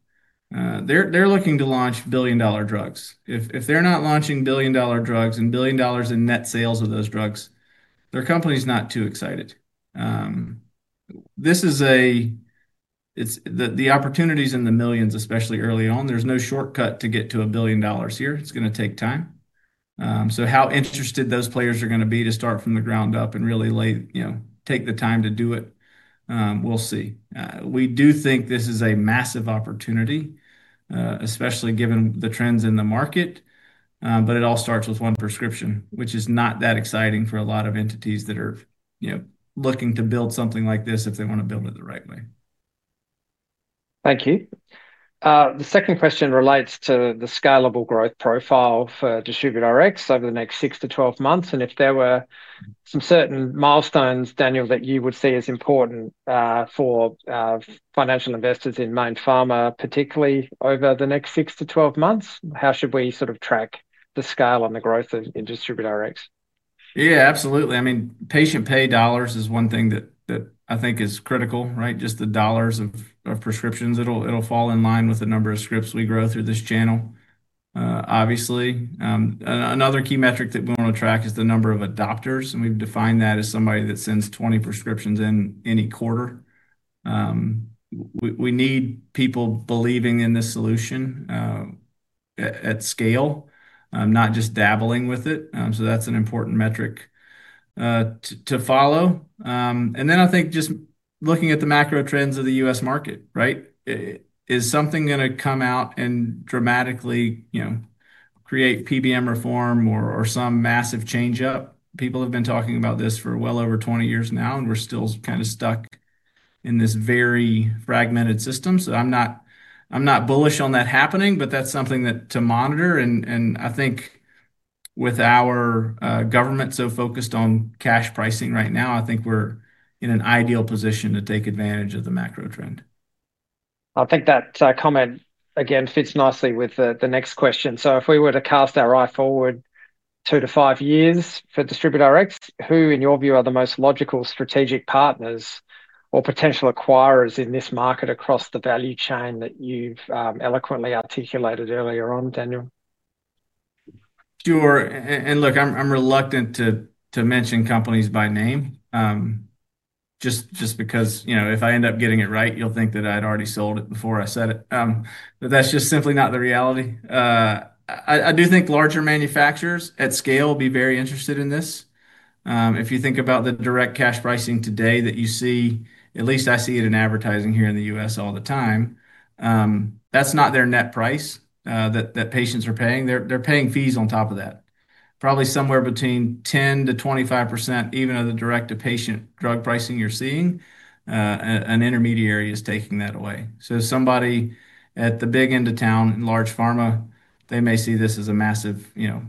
they're looking to launch billion-dollar drugs. If they're not launching billion-dollar drugs and billion dollars in net sales of those drugs, their company's not too excited. This is the opportunities in the millions, especially early on. There's no shortcut to get to a billion dollars here. It's gonna take time. How interested those players are gonna be to start from the ground up and really lay, you know, take the time to do it, we'll see. We do think this is a massive opportunity, especially given the trends in the market, but it all starts with one prescription, which is not that exciting for a lot of entities that are, you know, looking to build something like this if they wanna build it the right way. Thank you. The second question relates to the scalable growth profile for DistributeRx over the next 6-12 months, and if there were some certain milestones, Daniel, that you would see as important, for financial investors in Mayne Pharma, particularly over the next 6-12 months. How should we sort of track the scale and the growth within DistributeRx? Yeah, absolutely. I mean, patient pay dollars is one thing that I think is critical, right? Just the dollars of prescriptions. It'll fall in line with the number of scripts we grow through this channel. Obviously, another key metric that we wanna track is the number of adopters, and we've defined that as somebody that sends 20 prescriptions in any quarter. We need people believing in this solution at scale, not just dabbling with it. That's an important metric to follow. I think just looking at the macro trends of the U.S. market, right? Is something gonna come out and dramatically, you know, create PBM reform or some massive change-up? People have been talking about this for well over 20 years now, and we're still kinda stuck in this very fragmented system. I'm not bullish on that happening, but that's something to monitor and I think with our government so focused on cash pricing right now, I think we're in an ideal position to take advantage of the macro trend. I think that comment again fits nicely with the next question. If we were to cast our eye forward 2-5 years for DistributeRx, who in your view are the most logical strategic partners or potential acquirers in this market across the value chain that you've eloquently articulated earlier on, Daniel? Sure. Look, I'm reluctant to mention companies by name, just because, you know, if I end up getting it right, you'll think that I'd already sold it before I said it. That's just simply not the reality. I do think larger manufacturers at scale will be very interested in this. If you think about the direct cash pricing today that you see, at least I see it in advertising here in the U.S. all the time, that's not their net price, that patients are paying. They're paying fees on top of that. Probably somewhere between 10%-25% even of the direct-to-patient drug pricing you're seeing, an intermediary is taking that away. Somebody at the big end of town, large pharma, they may see this as a massive, you know,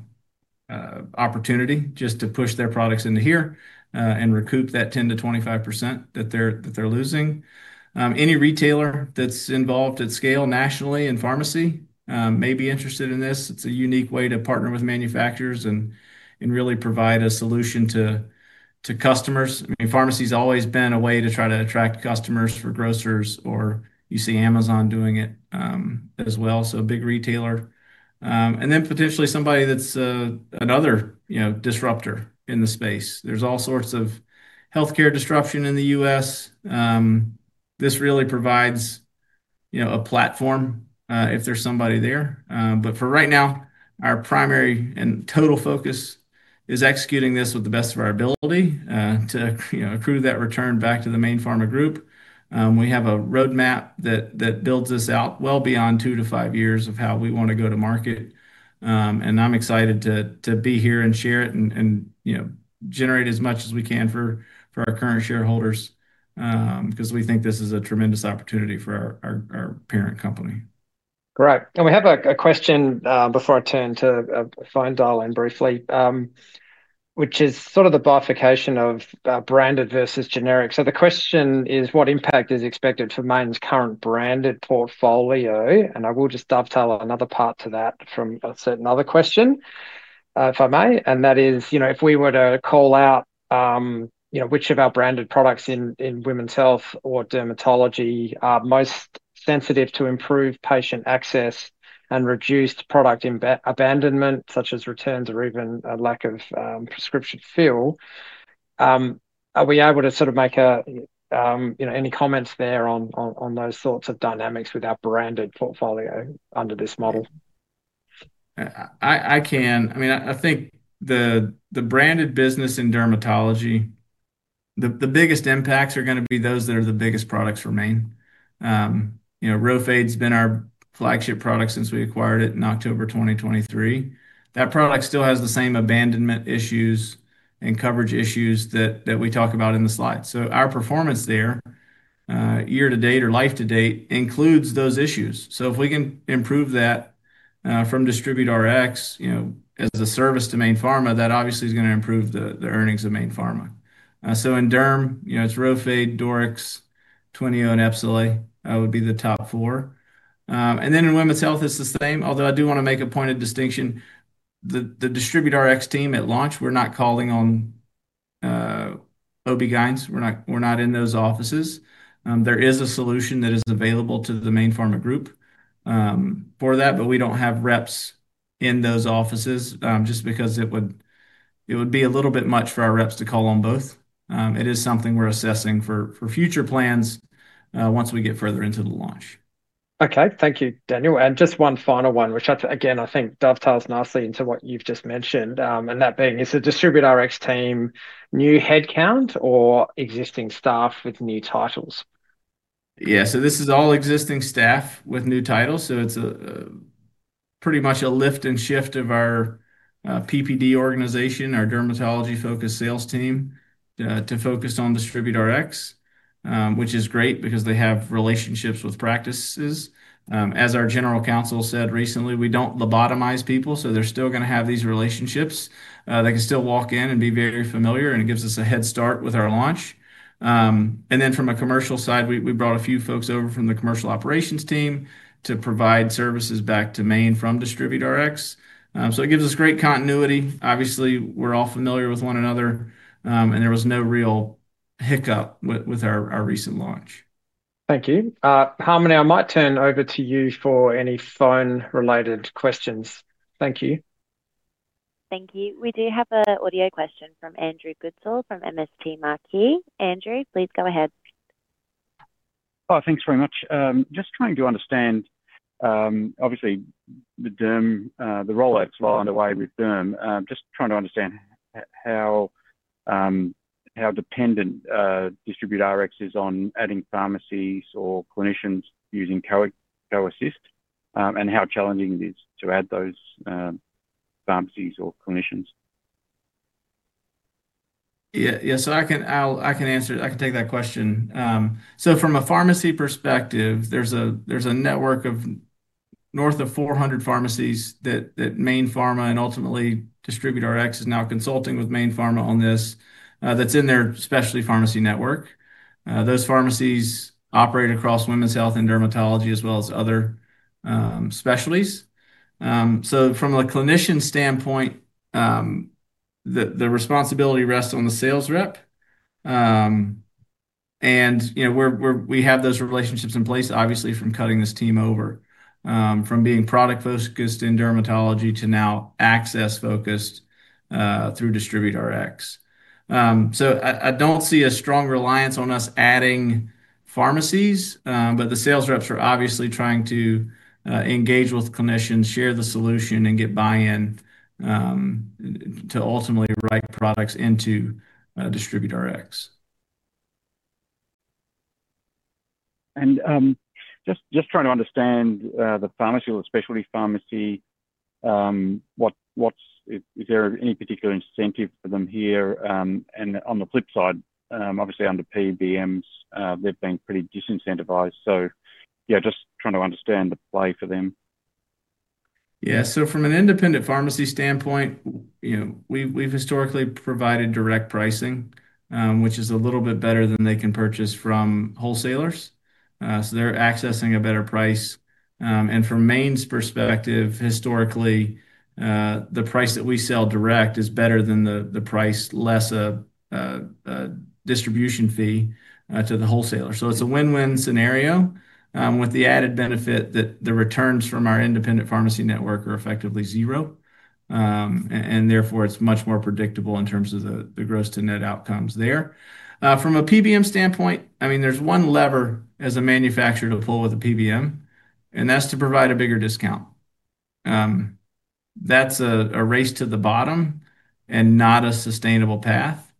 opportunity just to push their products into here, and recoup that 10%-25% that they're losing. Any retailer that's involved at scale nationally in pharmacy may be interested in this. It's a unique way to partner with manufacturers and really provide a solution to customers. I mean, pharmacy's always been a way to try to attract customers for grocers, or you see Amazon doing it, as well, so a big retailer. Potentially somebody that's another, you know, disruptor in the space. There's all sorts of healthcare disruption in the U.S.. This really provides, you know, a platform, if there's somebody there. For right now, our primary and total focus is executing this with the best of our ability to you know accrue that return back to the Mayne Pharma Group. We have a roadmap that builds this out well beyond 2-5 years of how we wanna go to market. I'm excited to be here and share it and you know generate as much as we can for our current shareholders 'cause we think this is a tremendous opportunity for our parent company. Great. We have a question before I turn to a phone dial-in briefly, which is sort of the bifurcation of branded versus generic. The question is what impact is expected for Mayne's current branded portfolio? I will just dovetail another part to that from a certain other question, if I may, and that is, you know, if we were to call out, you know, which of our branded products in women's health or dermatology are most sensitive to improved patient access and reduced product abandonment, such as returns or even a lack of prescription fill, are we able to sort of make, you know, any comments there on those sorts of dynamics with our branded portfolio under this model? I can. I mean, I think the branded business in dermatology, the biggest impacts are gonna be those that are the biggest products for Mayne Pharma. You know, RHOFADE's been our flagship product since we acquired it in October 2023. That product still has the same abandonment issues and coverage issues that we talk about in the slide. So our performance there, year to date or life to date includes those issues. So if we can improve that, from DistributeRx, you know, as a service to Mayne Pharma, that obviously is gonna improve the earnings of Mayne Pharma. So in derm, you know, it's RHOFADE, DORYX, TWYNEO, and EPSOLAY, that would be the top four. And then in women's health, it's the same, although I do wanna make a point of distinction. The DistributeRx team at launch, we're not calling on OBGYNs. We're not in those offices. There is a solution that is available to the Mayne Pharma Group for that, but we don't have reps in those offices just because it would be a little bit much for our reps to call on both. It is something we're assessing for future plans once we get further into the launch. Okay. Thank you, Daniel. Just one final one, which again, I think dovetails nicely into what you've just mentioned, and that being, is the DistributeRx team new headcount or existing staff with new titles? Yeah. This is all existing staff with new titles, so it's pretty much a lift and shift of our PPD organization, our dermatology-focused sales team, to focus on DistributeRx. Which is great because they have relationships with practices. As our general counsel said recently, we don't lobotomize people, so they're still gonna have these relationships. They can still walk in and be very familiar, and it gives us a head start with our launch. From a commercial side, we brought a few folks over from the commercial operations team to provide services back to Mayne from DistributeRx. It gives us great continuity. Obviously, we're all familiar with one another, and there was no real hiccup with our recent launch. Thank you. Harmony, I might turn over to you for any phone-related questions. Thank you. Thank you. We do have an audio question from Andrew Goodsall from MST Marquee. Andrew, please go ahead. Oh, thanks very much. Just trying to understand, obviously the rollouts. Yeah. Well underway with derm. Just trying to understand how dependent DistributeRx is on adding pharmacies or clinicians using CoAssist, and how challenging it is to add those pharmacies or clinicians. Yeah, yeah. I can answer it. I can take that question. From a pharmacy perspective, there's a network of north of 400 pharmacies that Mayne Pharma and ultimately DistributeRx is now consulting with Mayne Pharma on this, that's in their specialty pharmacy network. Those pharmacies operate across women's health and dermatology as well as other specialties. From a clinician standpoint, the responsibility rests on the sales rep. You know, we have those relationships in place obviously from cutting this team over, from being product-focused in dermatology to now access-focused, through DistributeRx. I don't see a strong reliance on us adding pharmacies. The sales reps are obviously trying to engage with clinicians, share the solution, and get buy-in, to ultimately write products into DistributeRx. Just trying to understand the pharmacy or the specialty pharmacy, is there any particular incentive for them here? On the flip side, obviously under PBMs, they've been pretty disincentivized. Yeah, just trying to understand the play for them. Yeah. From an independent pharmacy standpoint, you know, we've historically provided direct pricing, which is a little bit better than they can purchase from wholesalers. They're accessing a better price. From Mayne's perspective, historically, the price that we sell direct is better than the price less the distribution fee to the wholesaler. It's a win-win scenario, with the added benefit that the returns from our independent pharmacy network are effectively zero. Therefore it's much more predictable in terms of the gross to net outcomes there. From a PBM standpoint, I mean, there's one lever as a manufacturer to pull with a PBM, and that's to provide a bigger discount. That's a race to the bottom and not a sustainable path.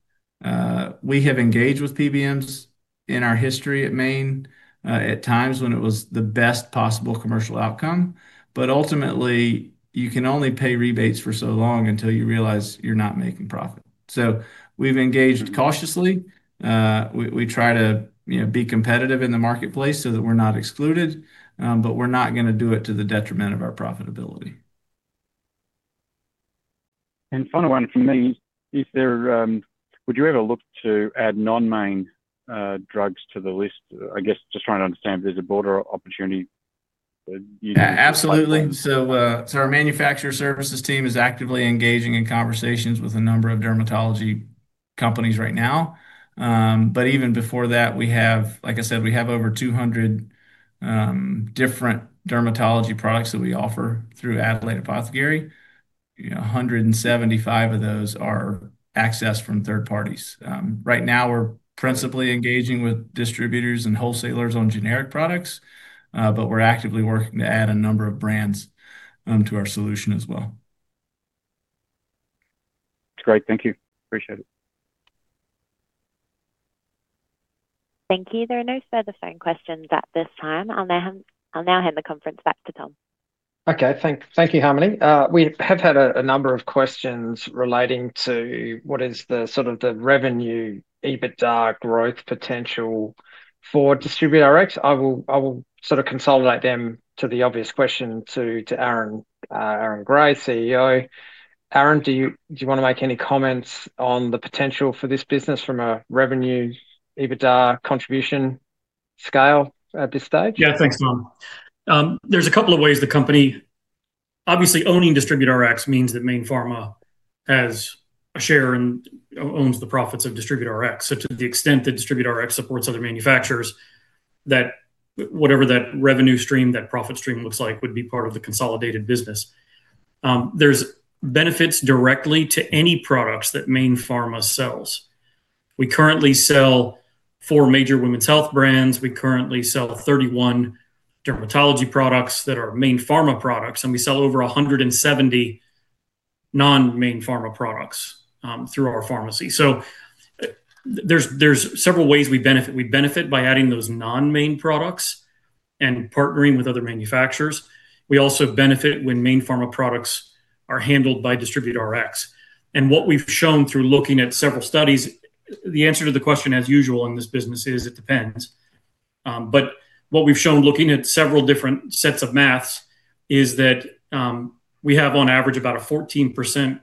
We have engaged with PBMs in our history at Mayne at times when it was the best possible commercial outcome. Ultimately, you can only pay rebates for so long until you realize you're not making profit. We've engaged cautiously. We try to, you know, be competitive in the marketplace so that we're not excluded. We're not gonna do it to the detriment of our profitability. Final one from me. Would you ever look to add non-Mayne drugs to the list? I guess just trying to understand if there's a broader opportunity you- Absolutely. Our manufacturer services team is actively engaging in conversations with a number of dermatology companies right now. But even before that, we have, like I said, we have over 200 different dermatology products that we offer through Adelaide Apothecary. You know, 175 of those are accessed from third parties. Right now we're principally engaging with distributors and wholesalers on generic products. But we're actively working to add a number of brands to our solution as well. That's great. Thank you. Appreciate it. Thank you. There are no further phone questions at this time. I'll now hand the conference back to Tom. Okay. Thank you, Harmony. We have had a number of questions relating to what is the sort of revenue EBITDA growth potential for DistributeRx. I will sort of consolidate them to the obvious question to Aaron Gray, CEO. Aaron, do you wanna make any comments on the potential for this business from a revenue EBITDA contribution scale at this stage? Yeah, thanks, Tom. There's a couple of ways the company. Obviously, owning DistributeRx means that Mayne Pharma has a share and owns the profits of DistributeRx. To the extent that DistributeRx supports other manufacturers, that whatever that revenue stream, that profit stream looks like would be part of the consolidated business. There's benefits directly to any products that Mayne Pharma sells. We currently sell four major women's health brands. We currently sell 31 dermatology products that are Mayne Pharma products, and we sell over 170 non-Mayne Pharma products through our pharmacy. There's several ways we benefit. We benefit by adding those non-Mayne products and partnering with other manufacturers. We also benefit when Mayne Pharma products are handled by DistributeRx. What we've shown through looking at several studies, the answer to the question as usual in this business is, it depends. What we've shown looking at several different sets of math is that we have on average about a 14%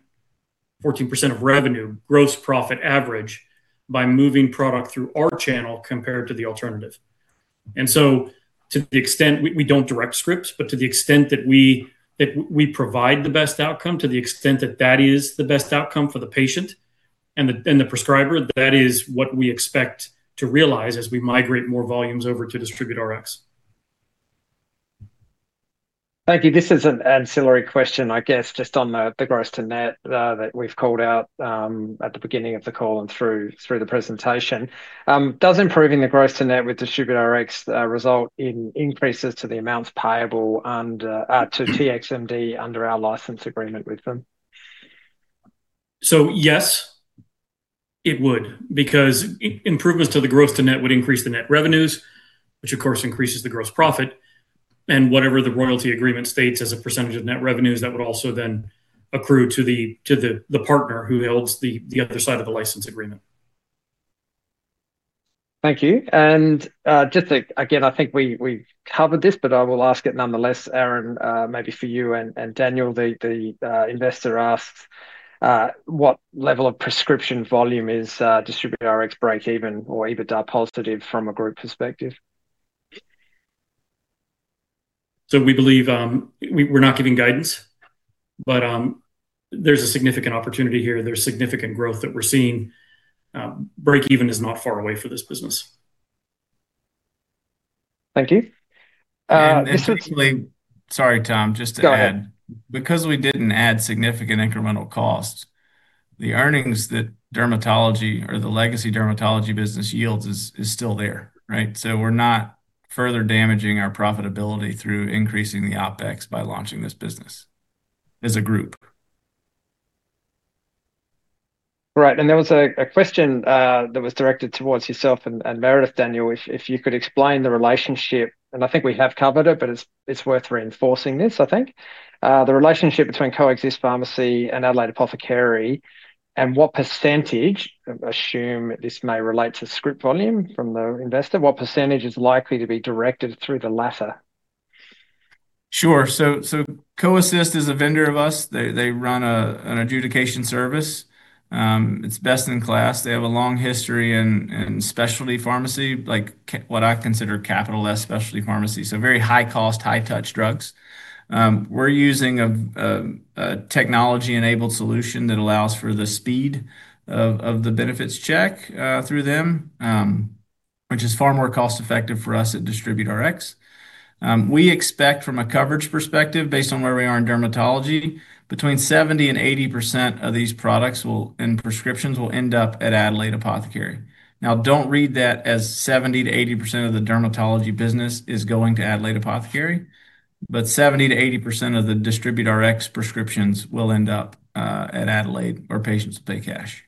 of revenue, gross profit average by moving product through our channel compared to the alternative. To the extent we don't direct scripts, but to the extent that we provide the best outcome, to the extent that that is the best outcome for the patient and the prescriber, that is what we expect to realize as we migrate more volumes over to DistributeRx. Thank you. This is an ancillary question, I guess, just on the gross to net that we've called out at the beginning of the call and through the presentation. Does improving the gross to net with DistributeRx result in increases to the amounts payable to TherapeuticsMD under our license agreement with them? Yes, it would, because improvements to the gross to net would increase the net revenues, which of course increases the gross profit. Whatever the royalty agreement states as a percentage of net revenues, that would also then accrue to the partner who holds the other side of the license agreement. Thank you. Just again, I think we've covered this, but I will ask it nonetheless, Aaron, maybe for you and Daniel. The investor asks, what level of prescription volume is DistributeRx breakeven or EBITDA positive from a group perspective? We believe we're not giving guidance, but there's a significant opportunity here. There's significant growth that we're seeing. Break even is not far away for this business. Thank you. Actually, sorry, Tom. Just to add. Go ahead. Because we didn't add significant incremental costs, the earnings that dermatology or the legacy dermatology business yields is still there, right? We're not further damaging our profitability through increasing the OpEx by launching this business as a group. Right. There was a question that was directed towards yourself and Meredith, Daniel. If you could explain the relationship, and I think we have covered it, but it's worth reinforcing this, I think. The relationship between CoAssist Pharmacy and Adelaide Apothecary, and what percentage, I assume this may relate to script volume from the investor, what percentage is likely to be directed through the latter? Sure. CoAssist is a vendor of us. They run an adjudication service. It's best in class. They have a long history in specialty pharmacy, what I consider capital S specialty pharmacy. Very high cost, high touch drugs. We're using a technology-enabled solution that allows for the speed of the benefits check through them, which is far more cost-effective for us at DistributeRx. We expect from a coverage perspective, based on where we are in dermatology, 70%-80% of these products and prescriptions will end up at Adelaide Apothecary. Don't read that as 70%-80% of the dermatology business is going to Adelaide Apothecary, but 70%-80% of the DistributeRx prescriptions will end up at Adelaide or patients will pay cash.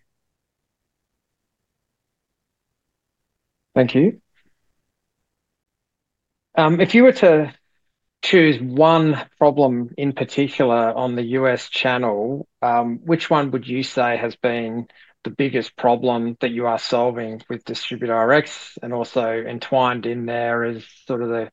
Thank you. If you were to choose one problem in particular on the U.S. channel, which one would you say has been the biggest problem that you are solving with DistributeRx and also entwined in there as sort of the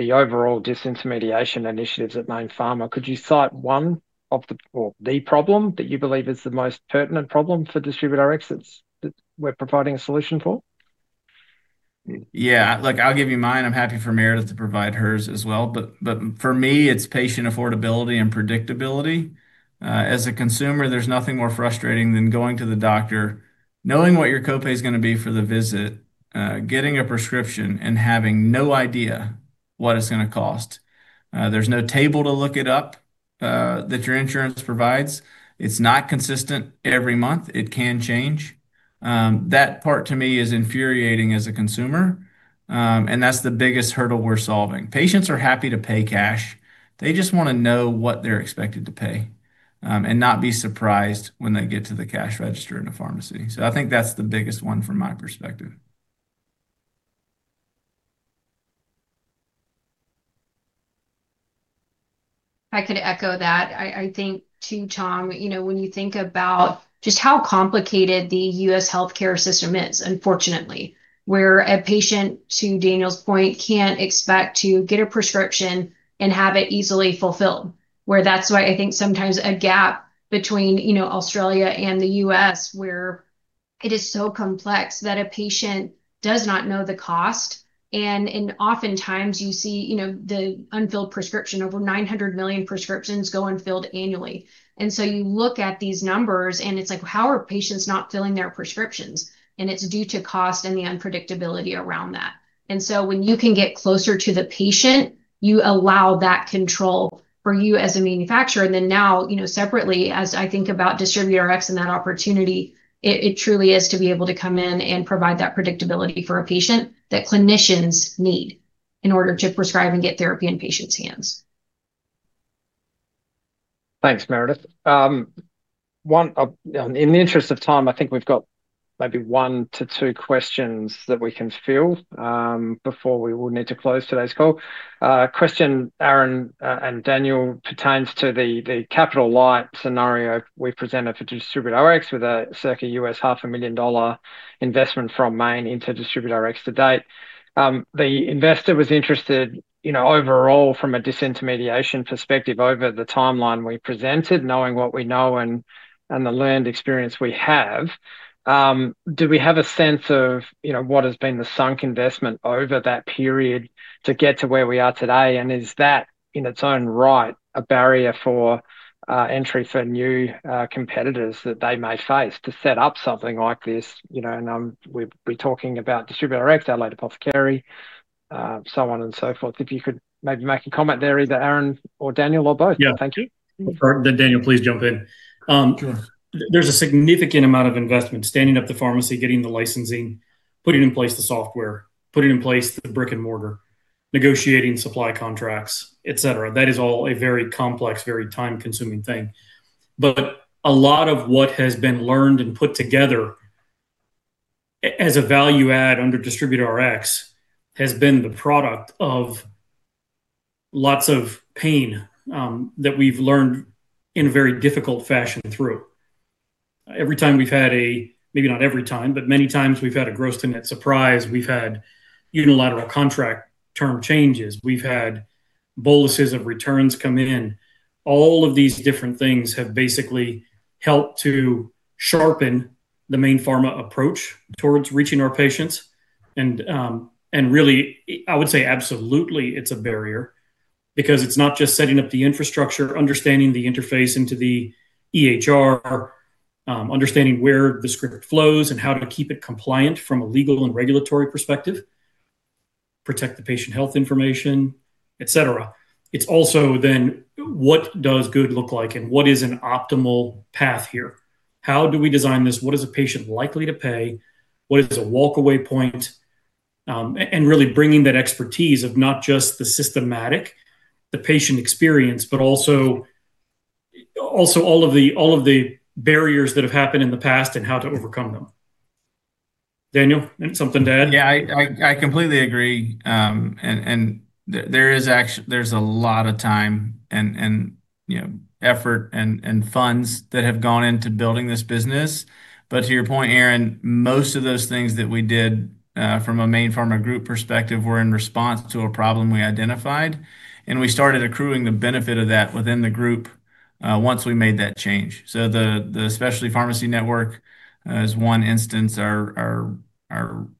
overall disintermediation initiatives at Mayne Pharma? Could you cite one of the, or the problem that you believe is the most pertinent problem for DistributeRx that we're providing a solution for? Yeah. Look, I'll give you mine. I'm happy for Meredith to provide hers as well. For me, it's patient affordability and predictability. As a consumer, there's nothing more frustrating than going to the doctor, knowing what your copay is gonna be for the visit, getting a prescription, and having no idea what it's gonna cost. There's no table to look it up, that your insurance provides. It's not consistent every month. It can change. That part to me is infuriating as a consumer. That's the biggest hurdle we're solving. Patients are happy to pay cash. They just wanna know what they're expected to pay, and not be surprised when they get to the cash register in a pharmacy. I think that's the biggest one from my perspective. I could echo that. I think too, Tom, you know, when you think about just how complicated the US healthcare system is, unfortunately, where a patient, to Daniel's point, can't expect to get a prescription and have it easily fulfilled. Where that's why I think sometimes a gap between, you know, Australia and the US where it is so complex that a patient does not know the cost and oftentimes you see, you know, the unfilled prescription. Over 900 million prescriptions go unfilled annually. You look at these numbers and it's like, how are patients not filling their prescriptions? It's due to cost and the unpredictability around that. So when you can get closer to the patient, you allow that control for you as a manufacturer. Now, you know, separately, as I think about DistributeRx and that opportunity, it truly is to be able to come in and provide that predictability for a patient that clinicians need in order to prescribe and get therapy in patients' hands. Thanks, Meredith. In the interest of time, I think we've got maybe one to two questions that we can field, before we will need to close today's call. Question, Aaron, and Daniel pertains to the capital light scenario we presented for DistributeRx with a circa half a million dollar investment from Mayne into DistributeRx to date. The investor was interested, you know, overall from a disintermediation perspective over the timeline we presented, knowing what we know and the learned experience we have. Do we have a sense of, you know, what has been the sunk investment over that period to get to where we are today? And is that, in its own right, a barrier for entry for new competitors that they may face to set up something like this? You know, we've been talking about DistributeRx, Adelaide Apothecary, so on and so forth. If you could maybe make a comment there, either Aaron or Daniel or both. Yeah, Thank you. Daniel, please jump in. Sure. There's a significant amount of investment. Standing up the pharmacy, getting the licensing, putting in place the software, putting in place the brick-and-mortar, negotiating supply contracts, et cetera. That is all a very complex, very time-consuming thing. A lot of what has been learned and put together as a value add under DistributeRx has been the product of lots of pain that we've learned in a very difficult fashion through every time we've had a. Maybe not every time, but many times we've had a gross to net surprise. We've had unilateral contract term changes. We've had boluses of returns come in. All of these different things have basically helped to sharpen the Mayne Pharma approach towards reaching our patients. Really, I would say absolutely it's a barrier because it's not just setting up the infrastructure, understanding the interface into the EHR, understanding where the script flows and how to keep it compliant from a legal and regulatory perspective, protect the patient health information, et cetera. It's also then what does good look like and what is an optimal path here. How do we design this? What is a patient likely to pay? What is a walk-away point? Really bringing that expertise of not just the systematic, the patient experience, but also all of the barriers that have happened in the past and how to overcome them. Daniel, something to add? Yeah, I completely agree. There's a lot of time, you know, effort and funds that have gone into building this business. To your point, Aaron, most of those things that we did from a Mayne Pharma Group perspective were in response to a problem we identified, and we started accruing the benefit of that within the group once we made that change. The specialty pharmacy network is one instance. Our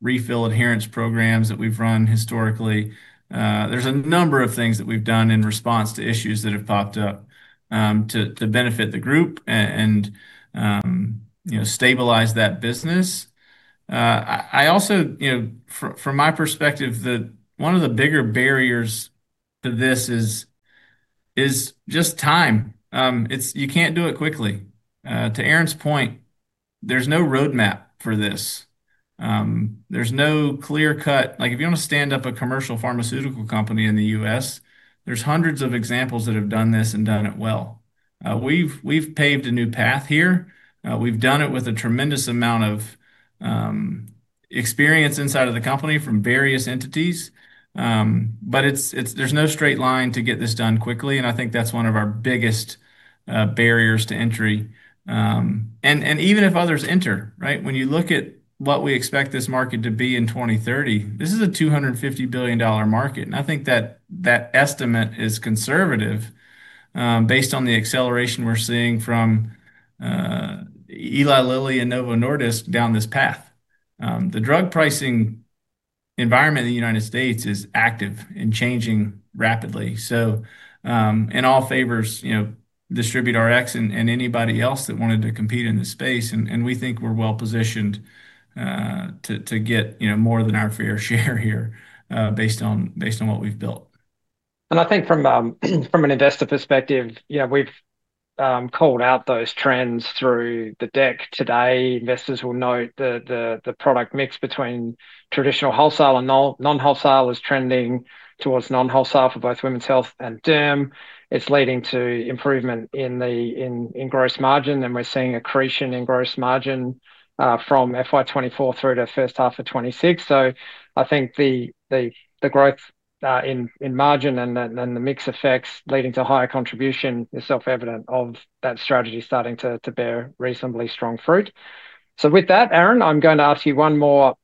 refill adherence programs that we've run historically. There's a number of things that we've done in response to issues that have popped up to benefit the group and, you know, stabilize that business. I also, you know, from my perspective, one of the bigger barriers to this is just time. You can't do it quickly. To Aaron's point, there's no roadmap for this. There's no clear cut. Like, if you wanna stand up a commercial pharmaceutical company in the U.S., there's hundreds of examples that have done this and done it well. We've paved a new path here. We've done it with a tremendous amount of experience inside of the company from various entities. There's no straight line to get this done quickly, and I think that's one of our biggest barriers to entry. Even if others enter, right? When you look at what we expect this market to be in 2030, this is a $250 billion market. I think that estimate is conservative, based on the acceleration we're seeing from Eli Lilly and Novo Nordisk down this path. The drug pricing environment in the United States is active and changing rapidly. It all favors, you know, DistributeRx and anybody else that wanted to compete in this space, and we think we're well-positioned to get, you know, more than our fair share here, based on what we've built. I think from an investor perspective, yeah, we've called out those trends through the deck today. Investors will note the product mix between traditional wholesale and non-wholesale is trending towards non-wholesale for both women's health and derm. It's leading to improvement in the gross margin, and we're seeing accretion in gross margin from FY 2024 through to first half of 2026. I think the growth in margin and then the mix effects leading to higher contribution is self-evident of that strategy starting to bear reasonably strong fruit. With that, Aaron, I'm going to ask you one more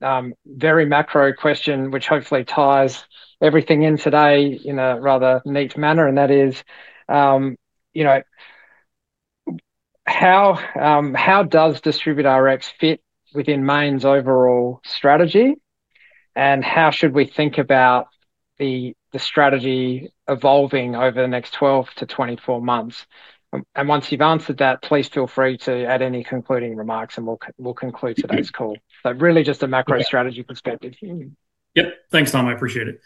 very macro question which hopefully ties everything in today in a rather neat manner. That is, you know, how does DistributeRx fit within Mayne's overall strategy? How should we think about the strategy evolving over the next 12-24 months? Once you've answered that, please feel free to add any concluding remarks, and we'll conclude today's call. Really just a macro strategy perspective. Yep. Thanks, Tom. I appreciate it.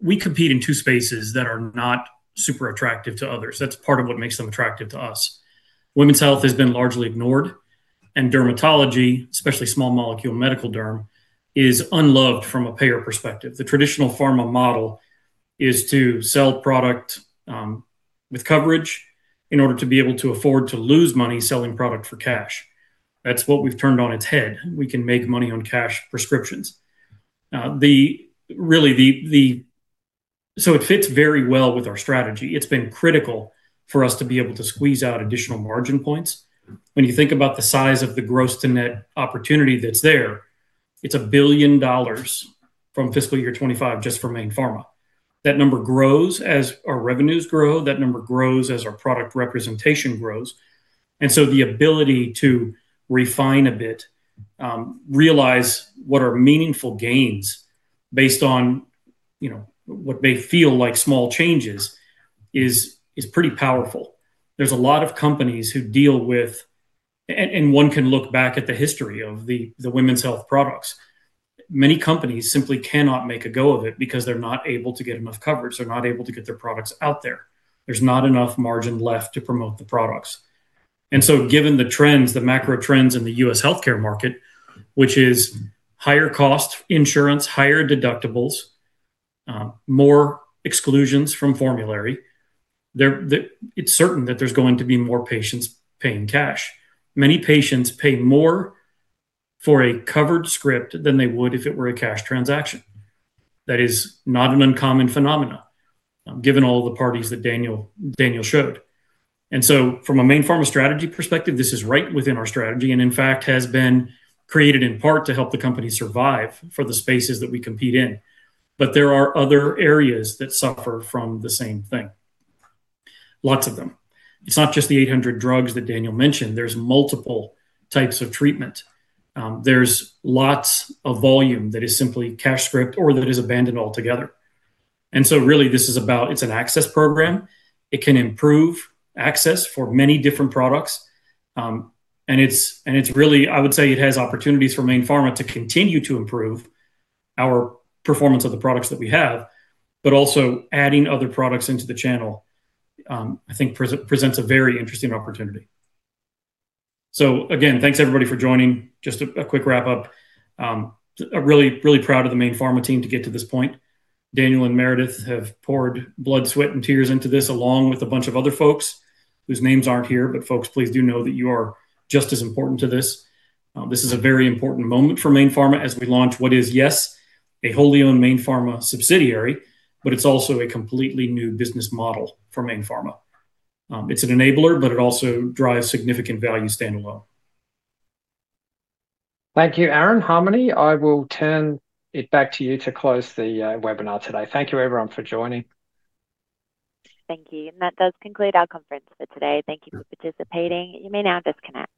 We compete in two spaces that are not super attractive to others. That's part of what makes them attractive to us. Women's health has been largely ignored, and dermatology, especially small molecule medical derm, is unloved from a payer perspective. The traditional pharma model is to sell product with coverage in order to be able to afford to lose money selling product for cash. That's what we've turned on its head. We can make money on cash prescriptions. It fits very well with our strategy. It's been critical for us to be able to squeeze out additional margin points. When you think about the size of the gross to net opportunity that's there, it's $1 billion from fiscal year 2025 just for Mayne Pharma. That number grows as our revenues grow. That number grows as our product representation grows. The ability to refine a bit, realize what are meaningful gains based on, you know, what may feel like small changes is pretty powerful. There's a lot of companies who deal with, and one can look back at the history of the women's health products. Many companies simply cannot make a go of it because they're not able to get enough coverage. They're not able to get their products out there. There's not enough margin left to promote the products. Given the trends, the macro trends in the U.S. healthcare market, which is higher cost insurance, higher deductibles, more exclusions from formulary, it's certain that there's going to be more patients paying cash. Many patients pay more for a covered script than they would if it were a cash transaction. That is not an uncommon phenomenon, given all the parties that Daniel showed. From a Mayne Pharma strategy perspective, this is right within our strategy and in fact has been created in part to help the company survive for the spaces that we compete in. There are other areas that suffer from the same thing. Lots of them. It's not just the 800 drugs that Daniel mentioned. There are multiple types of treatment. There's lots of volume that is simply cash script or that is abandoned altogether. This is about an access program. It can improve access for many different products. It's really, I would say it has opportunities for Mayne Pharma to continue to improve our performance of the products that we have, but also adding other products into the channel, I think presents a very interesting opportunity. Again, thanks everybody for joining. Just a quick wrap up. Really proud of the Mayne Pharma team to get to this point. Daniel and Meredith have poured blood, sweat, and tears into this, along with a bunch of other folks whose names aren't here, but folks, please do know that you are just as important to this. This is a very important moment for Mayne Pharma as we launch what is, yes, a wholly owned Mayne Pharma subsidiary, but it's also a completely new business model for Mayne Pharma. It's an enabler, but it also drives significant value standalone. Thank you, Aaron. Harmony, I will turn it back to you to close the webinar today. Thank you everyone for joining. Thank you. That does conclude our conference for today. Thank you for participating. You may now disconnect.